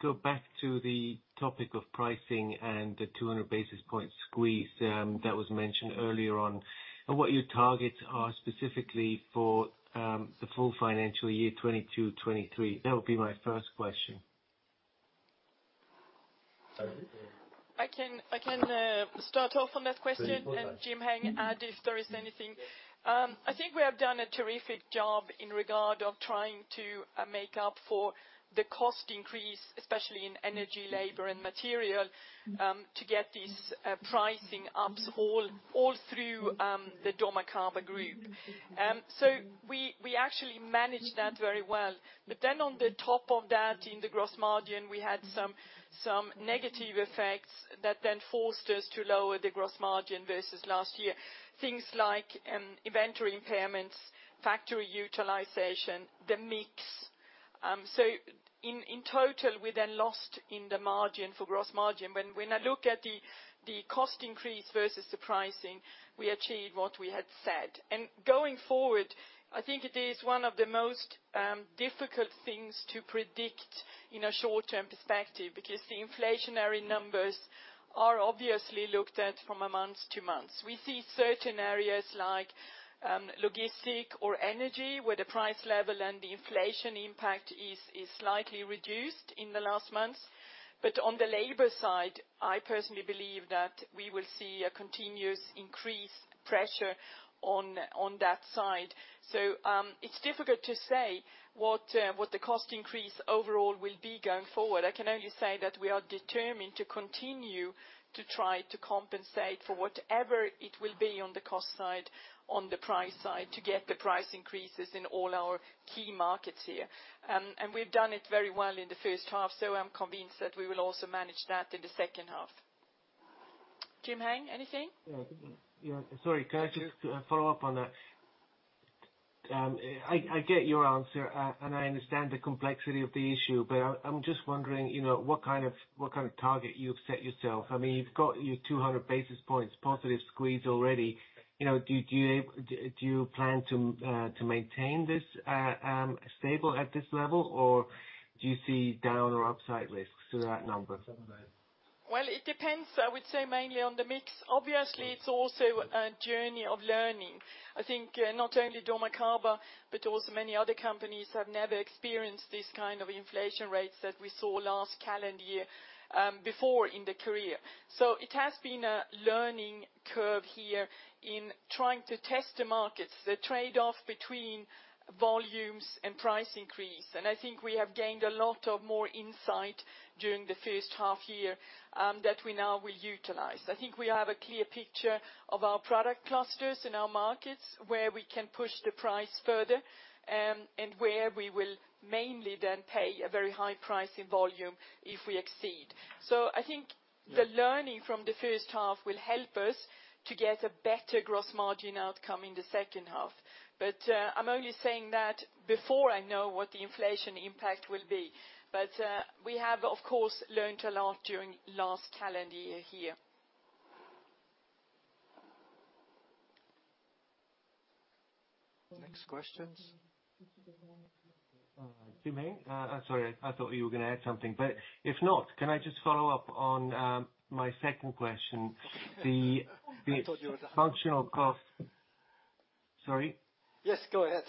go back to the topic of pricing and the 200 basis point squeeze that was mentioned earlier on, and what your targets are specifically for the full financial year 2022-2023? That would be my first question. I can start off on that question. Please go ahead. Jim-Heng, add if there is anything. I think we have done a terrific job in regard of trying to make up for the cost increase, especially in energy, labor, and material, to get these pricing ups all through the dormakaba group. We actually managed that very well. On the top of that, in the gross margin, we had some negative effects that then forced us to lower the gross margin versus last year. Things like inventory impairments, factory utilization, the mix. In total, we then lost in the margin for gross margin. When I look at the cost increase versus the pricing, we achieved what we had said. Going forward, I think it is one of the most difficult things to predict in a short-term perspective, because the inflationary numbers are obviously looked at from a month to month. We see certain areas like logistic or energy, where the price level and the inflation impact is slightly reduced in the last months. On the labor side, I personally believe that we will see a continuous increased pressure on that side. It's difficult to say what the cost increase overall will be going forward. I can only say that we are determined to continue to try to compensate for whatever it will be on the cost side, on the price side, to get the price increases in all our key markets here. We've done it very well in the first half, so I'm convinced that we will also manage that in the second half. Jim-Heng, anything? Yeah. Sorry, can I just follow up on that? I get your answer, and I understand the complexity of the issue, but I'm just wondering, you know, what kind of target you've set yourself. I mean, you've got your 200 basis points positive squeeze already. You know, do you plan to maintain this stable at this level, or do you see down or upside risks to that number? Well, it depends, I would say, mainly on the mix. Obviously, it's also a journey of learning. I think not only dormakaba, but also many other companies have never experienced this kind of inflation rates that we saw last calendar year before in the career. It has been a learning curve here in trying to test the markets, the trade-off between volumes and price increase. I think we have gained a lot of more insight during the first half year that we now will utilize. I think we have a clear picture of our product clusters in our markets, where we can push the price further and where we will mainly then pay a very high price in volume if we exceed. I think the learning from the first half will help us to get a better gross margin outcome in the second half. I'm only saying that before I know what the inflation impact will be. We have, of course, learned a lot during last calendar year here. Next questions. Jim-Heng. I'm sorry, I thought you were gonna add something. If not, can I just follow up on my second question? The functional cost. Sorry? Yes, go ahead.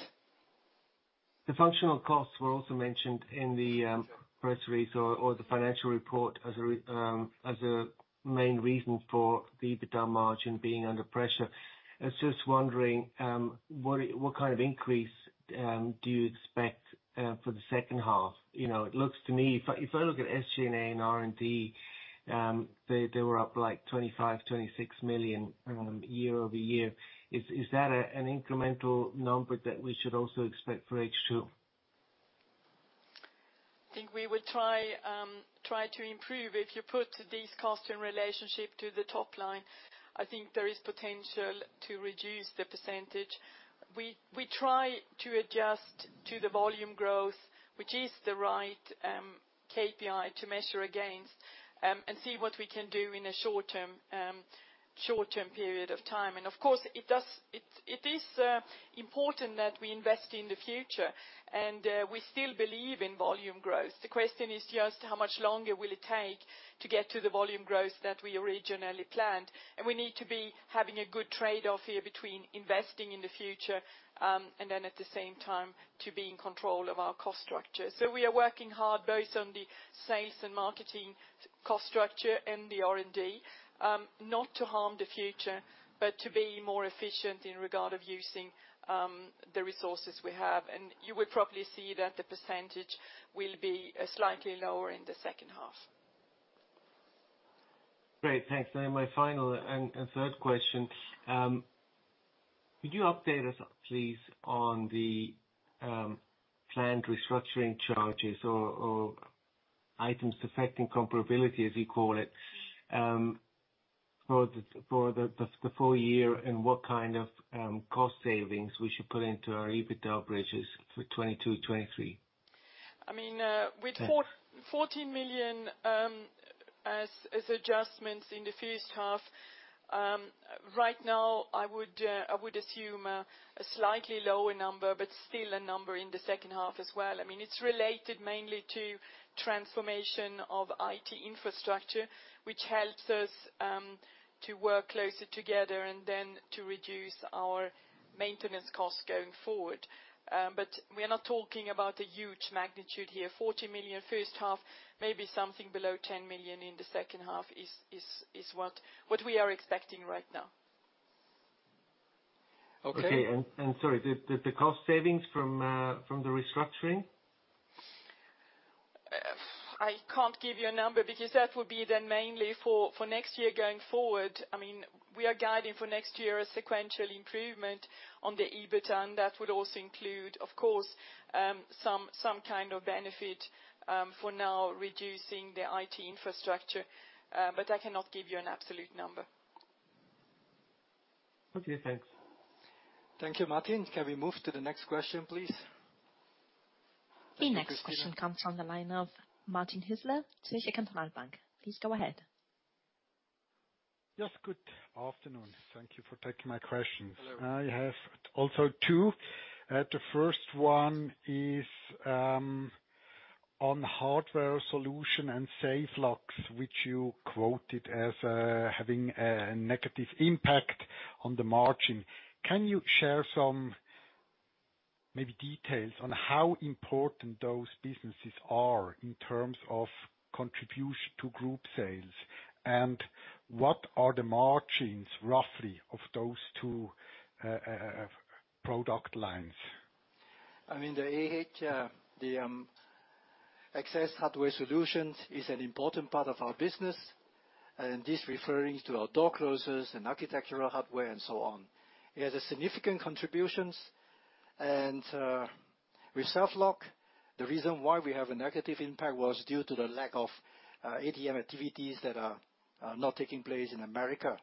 The functional costs were also mentioned in the press release or the financial report as a main reason for the EBITDA margin being under pressure. I was just wondering what kind of increase do you expect for the second half? You know, it looks to me, if I look at SG&A and R&D, they were up like 25 million, 26 million year-over-year. Is that an incremental number that we should also expect for H2? I think we will try to improve. If you put these costs in relationship to the top line, I think there is potential to reduce the percentage. We try to adjust to the volume growth, which is the right KPI to measure against and see what we can do in a short-term period of time. Of course, it is important that we invest in the future, and we still believe in volume growth. The question is just how much longer will it take to get to the volume growth that we originally planned. We need to be having a good trade-off here between investing in the future and then at the same time, to be in control of our cost structure. We are working hard both on the sales and marketing cost structure and the R&D, not to harm the future, but to be more efficient in regard of using the resources we have. You will probably see that the percentage will be slightly lower in the second half. Great. Thanks. My final and third question. Could you update us, please, on the planned restructuring charges or Items Affecting Comparability, as you call it, for the full year and what kind of cost savings we should put into our EBITDA bridges for 2022, 2023? I mean, with 14 million as adjustments in the first half, right now I would assume a slightly lower number, still a number in the second half as well. I mean, it's related mainly to transformation of IT infrastructure, which helps us to work closer together and then to reduce our maintenance costs going forward. We are not talking about a huge magnitude here. 14 million first half, maybe something below 10 million in the second half is what we are expecting right now. Okay. Sorry, the cost savings from the restructuring? I can't give you a number because that would be then mainly for next year going forward. I mean, we are guiding for next year a sequential improvement on the EBITDA, that would also include, of course, some kind of benefit for now reducing the IT infrastructure. I cannot give you an absolute number. Okay, thanks. Thank you, Martin. Can we move to the next question, please? The next question comes from the line of Martin Hüsler, Zürcher Kantonalbank. Please go ahead. Yes. Good afternoon. Thank you for taking my questions. Hello. I have also two. The first one is on hardware solution and Safe Locks, which you quoted as having a negative impact on the margin. Can you share some maybe details on how important those businesses are in terms of contribution to group sales? What are the margins, roughly, of those two product lines? I mean, the AH, the access hardware solutions is an important part of our business, and this referring to our door closers and architectural hardware and so on. It has a significant contributions. With Safe Locks, the reason why we have a negative impact was due to the lack of ATM activities that are not taking place in America.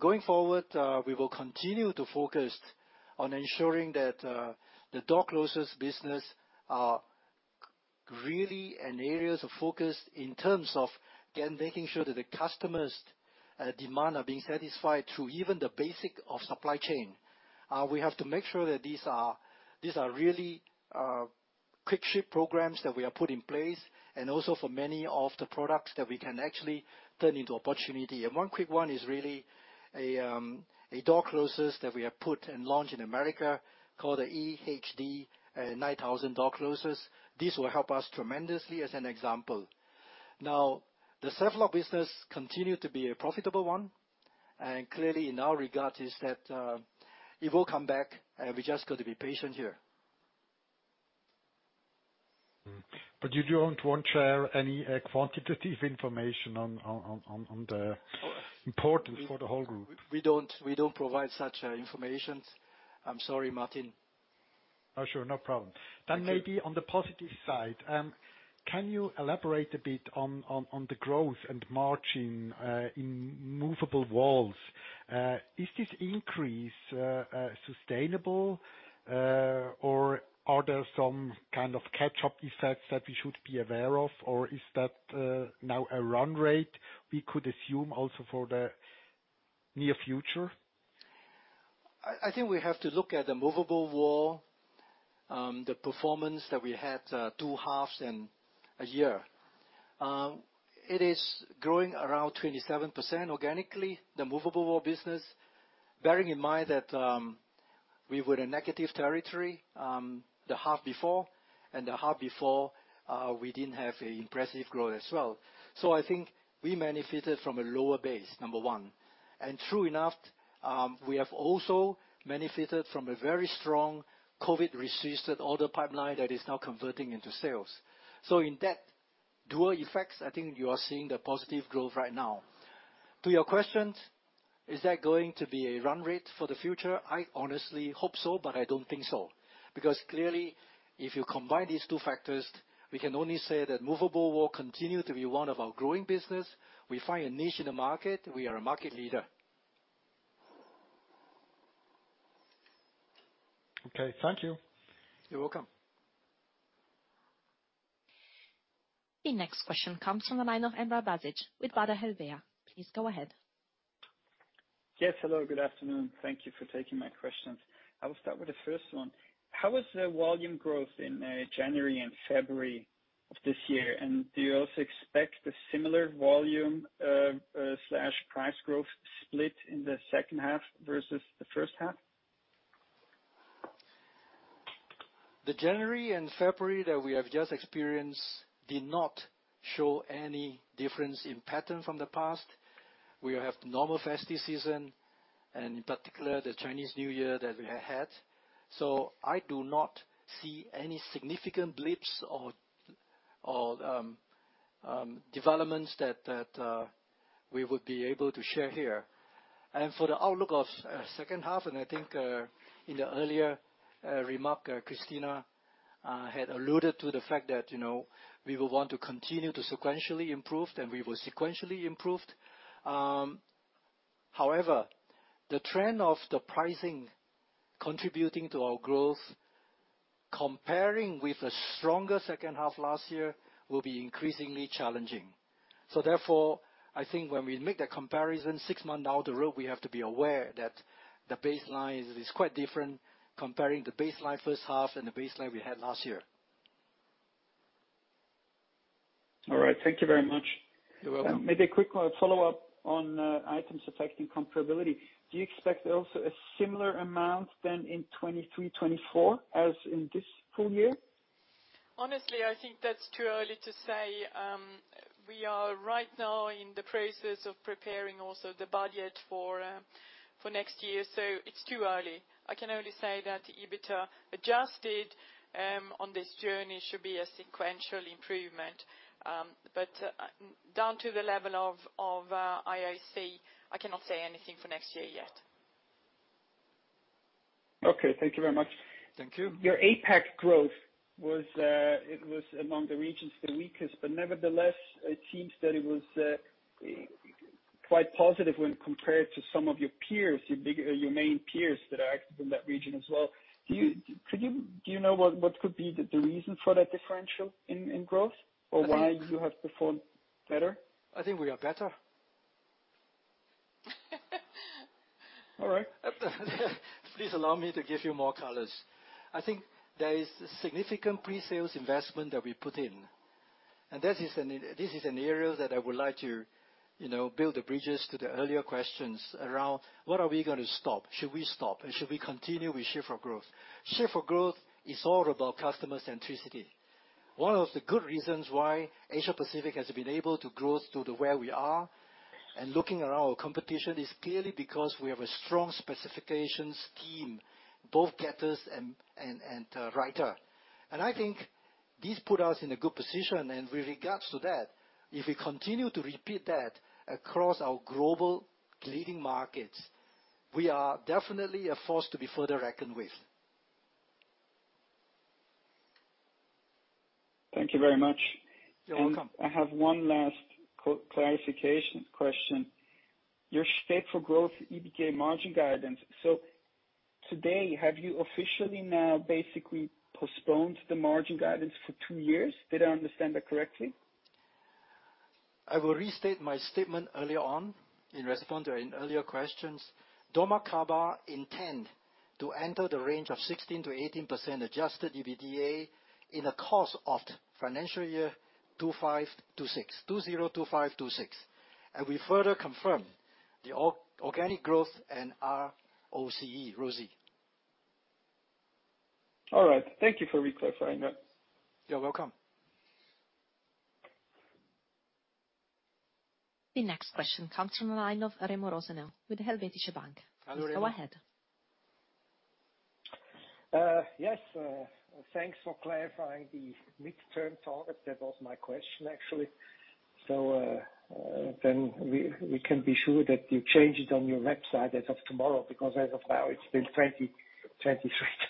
Going forward, we will continue to focus on ensuring that the door closers business are really an areas of focus in terms of, again, making sure that the customers demand are being satisfied through even the basic of supply chain. We have to make sure that these are really, quick ship programs that we have put in place and also for many of the products that we can actually turn into opportunity. One quick one is really a door closers that we have put and launched in America called the EHD9000 Door Closer. This will help us tremendously as an example. Now, the Safe Locks business continue to be a profitable one, and clearly in our regard is that it will come back. We just got to be patient here. You don't want to share any quantitative information on the importance for the whole group? We don't provide such informations. I'm sorry, Martin. Oh, sure. No problem. Thank you. Maybe on the positive side, can you elaborate a bit on the growth and margin in movable walls? Is this increase sustainable? Are there some kind of catch-up effects that we should be aware of? Is that now a run rate we could assume also for the near future? I think we have to look at the movable wall, the performance that we had, 2.5 In a year. It is growing around 27% organically, the movable wall business. Bearing in mind that we were in negative territory, the half before, and the half before, we didn't have a impressive growth as well. I think we benefited from a lower base, number one. True enough, we have also benefited from a very strong COVID-resistant order pipeline that is now converting into sales. In that dual effects, I think you are seeing the positive growth right now. To your questions, is that going to be a run rate for the future? I honestly hope so, but I don't think so. Clearly, if you combine these two factors, we can only say that movable wall continue to be one of our growing business. We find a niche in the market. We are a market leader. Okay. Thank you. You're welcome. The next question comes from the line of [Remi Business] with Baader Helvea. Please go ahead. Yes, hello. Good afternoon. Thank you for taking my questions. I will start with the first one. How was the volume growth in January and February of this year? Do you also expect a similar volume slash price growth split in the second half versus the first half? The January and February that we have just experienced did not show any difference in pattern from the past. We have normal festive season, and in particular, the Chinese New Year that we had had. I do not see any significant blips or developments that we would be able to share here. For the outlook of second half, I think in the earlier remark, Christina had alluded to the fact that, you know, we will want to continue to sequentially improve, and we will sequentially improve. However, the trend of the pricing contributing to our growth comparing with a stronger second half last year will be increasingly challenging. Therefore, I think when we make that comparison six months down the road, we have to be aware that the baseline is quite different comparing the baseline first half and the baseline we had last year. All right. Thank you very much. You're welcome. Maybe a quick follow-up on Items Affecting Comparability, do you expect also a similar amount than in 2023, 2024 as in this full year? Honestly, I think that's too early to say. We are right now in the process of preparing also the budget for next year, it's too early. I can only say that EBITA adjusted on this journey should be a sequential improvement. Down to the level of IAC, I cannot say anything for next year yet. Okay, thank you very much. Thank you. Your APAC growth was among the regions the weakest, but nevertheless, it seems that it was quite positive when compared to some of your peers, your bigger, your main peers that are active in that region as well. Do you know what could be the reason for that differential in growth or why you have performed better? I think we are better. All right. Please allow me to give you more colors. I think there is significant pre-sales investment that we put in. This is an area that I would like to, you know, build the bridges to the earlier questions around what are we gonna stop? Should we stop? Should we continue with Shape4Growth? Shape4Growth is all about customer centricity. One of the good reasons why Asia-Pacific has been able to grow to the where we are and looking at our competition is clearly because we have a strong specifications team, both getters and writer. I think this put us in a good position. With regards to that, if we continue to repeat that across our global leading markets, we are definitely a force to be further reckoned with. Thank you very much. You're welcome. I have one last clarification question. Your Shape4Growth EBK margin guidance. Today, have you officially now basically postponed the margin guidance for two years? Did I understand that correctly? I will restate my statement earlier on in responding earlier questions. Dormakaba intend to enter the range of 16%-18% adjusted EBITDA in the course of financial year 2025, 2026. 2025, 2026. We further confirm the organic growth and our ROCE. All right. Thank you for reclarifying that. You're welcome. The next question comes from the line of Remo Rosenau with Helvetische Bank. Hello, Remo. Please go ahead. Yes, thanks for clarifying the midterm target. That was my question, actually. Then we can be sure that you change it on your website as of tomorrow, because as of now, it's still 2023,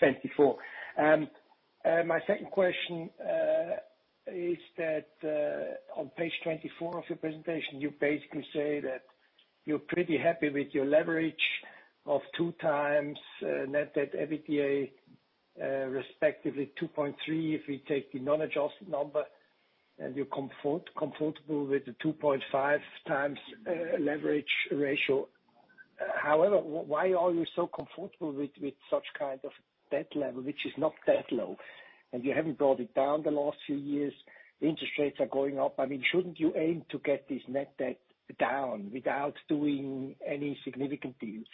2024. My second question is that on page 24 of your presentation, you basically say that you're pretty happy with your leverage of 2x net debt EBITDA, respectively 2.3x if we take the non-adjusted number, and you're comfortable with the 2.5x leverage ratio. Why are you so comfortable with such kind of debt level which is not that low and you haven't brought it down the last few years? Interest rates are going up. I mean, shouldn't you aim to get this net debt down without doing any significant deals?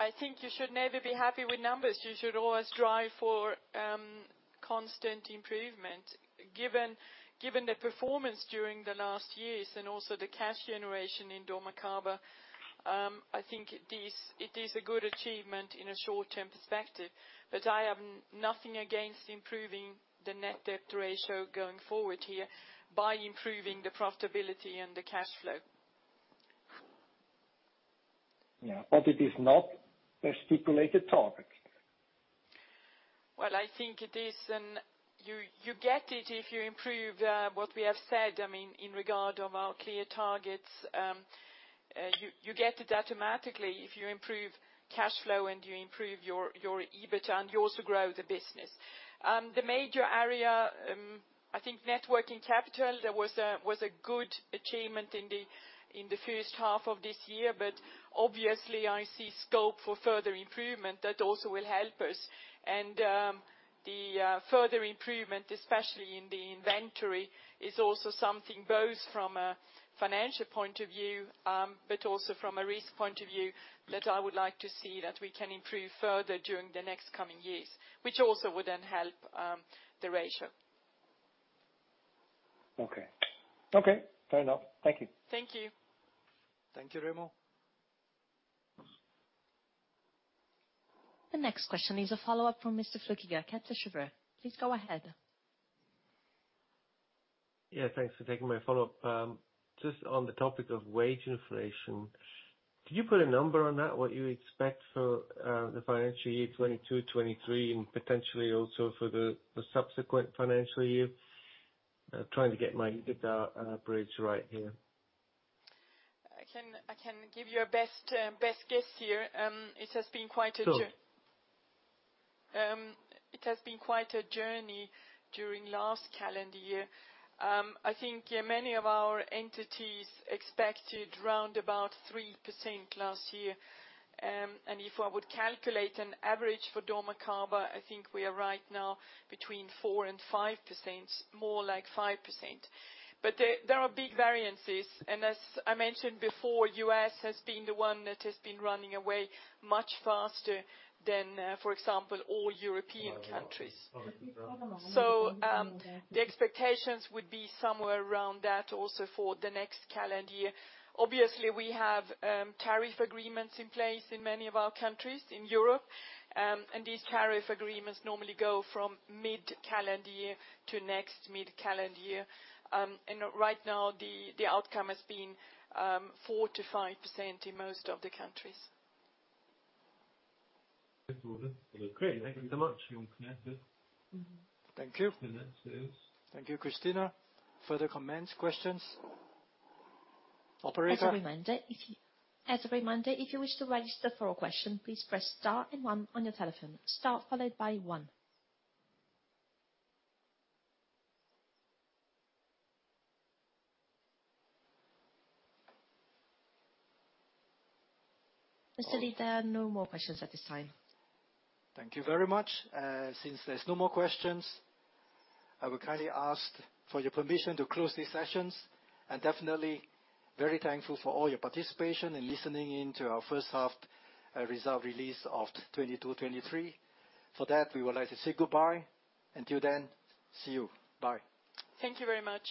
I think you should never be happy with numbers. You should always drive for constant improvement. Given the performance during the last years and also the cash generation in dormakaba, I think it is a good achievement in a short-term perspective. I have nothing against improving the net debt ratio going forward here by improving the profitability and the cash flow. Yeah. It is not a stipulated target. Well, I think it is. You get it if you improve, what we have said, I mean, in regard of our clear targets. You get it automatically if you improve cash flow and you improve your EBIT and you also grow the business. The major area, I think net working capital, there was a good achievement in the first half of this year. Obviously, I see scope for further improvement that also will help us. The further improvement, especially in the inventory, is also something both from a financial point of view, but also from a risk point of view that I would like to see that we can improve further during the next coming years, which also would then help, the ratio. Okay. Okay, fair enough. Thank you. Thank you. Thank you, Remo. The next question is a follow-up from Mr. Flueckiger at Kepler Cheuvreux. Please go ahead. Thanks for taking my follow-up. Just on the topic of wage inflation, can you put a number on that, what you expect for the financial year 2022, 2023, and potentially also for the subsequent financial year? Trying to get my data bridge right here. I can give you a best best guess here. It has been quite a jou- Sure. It has been quite a journey during last calendar year. I think many of our entities expected round about 3% last year. If I would calculate an average for dormakaba, I think we are right now between 4% and 5%, more like 5%. There are big variances. As I mentioned before, U.S. has been the one that has been running away much faster than, for example, all European countries. The expectations would be somewhere around that also for the next calendar year. Obviously, we have tariff agreements in place in many of our countries in Europe. These tariff agreements normally go from mid-calendar year to next mid-calendar year. Right now the outcome has been 4%-5% in most of the countries. Okay. Thank you so much. Thank you. Thank you, Christina. Further comments, questions? Operator. As a reminder, if you wish to register for a question, please press star and one on your telephone. Star followed by one. Mr. Lee, there are no more questions at this time. Thank you very much. Since there's no more questions, I will kindly ask for your permission to close these sessions. Definitely very thankful for all your participation in listening in to our first half result release of 2022, 2023. For that, we would like to say goodbye. Until then, see you. Bye. Thank you very much.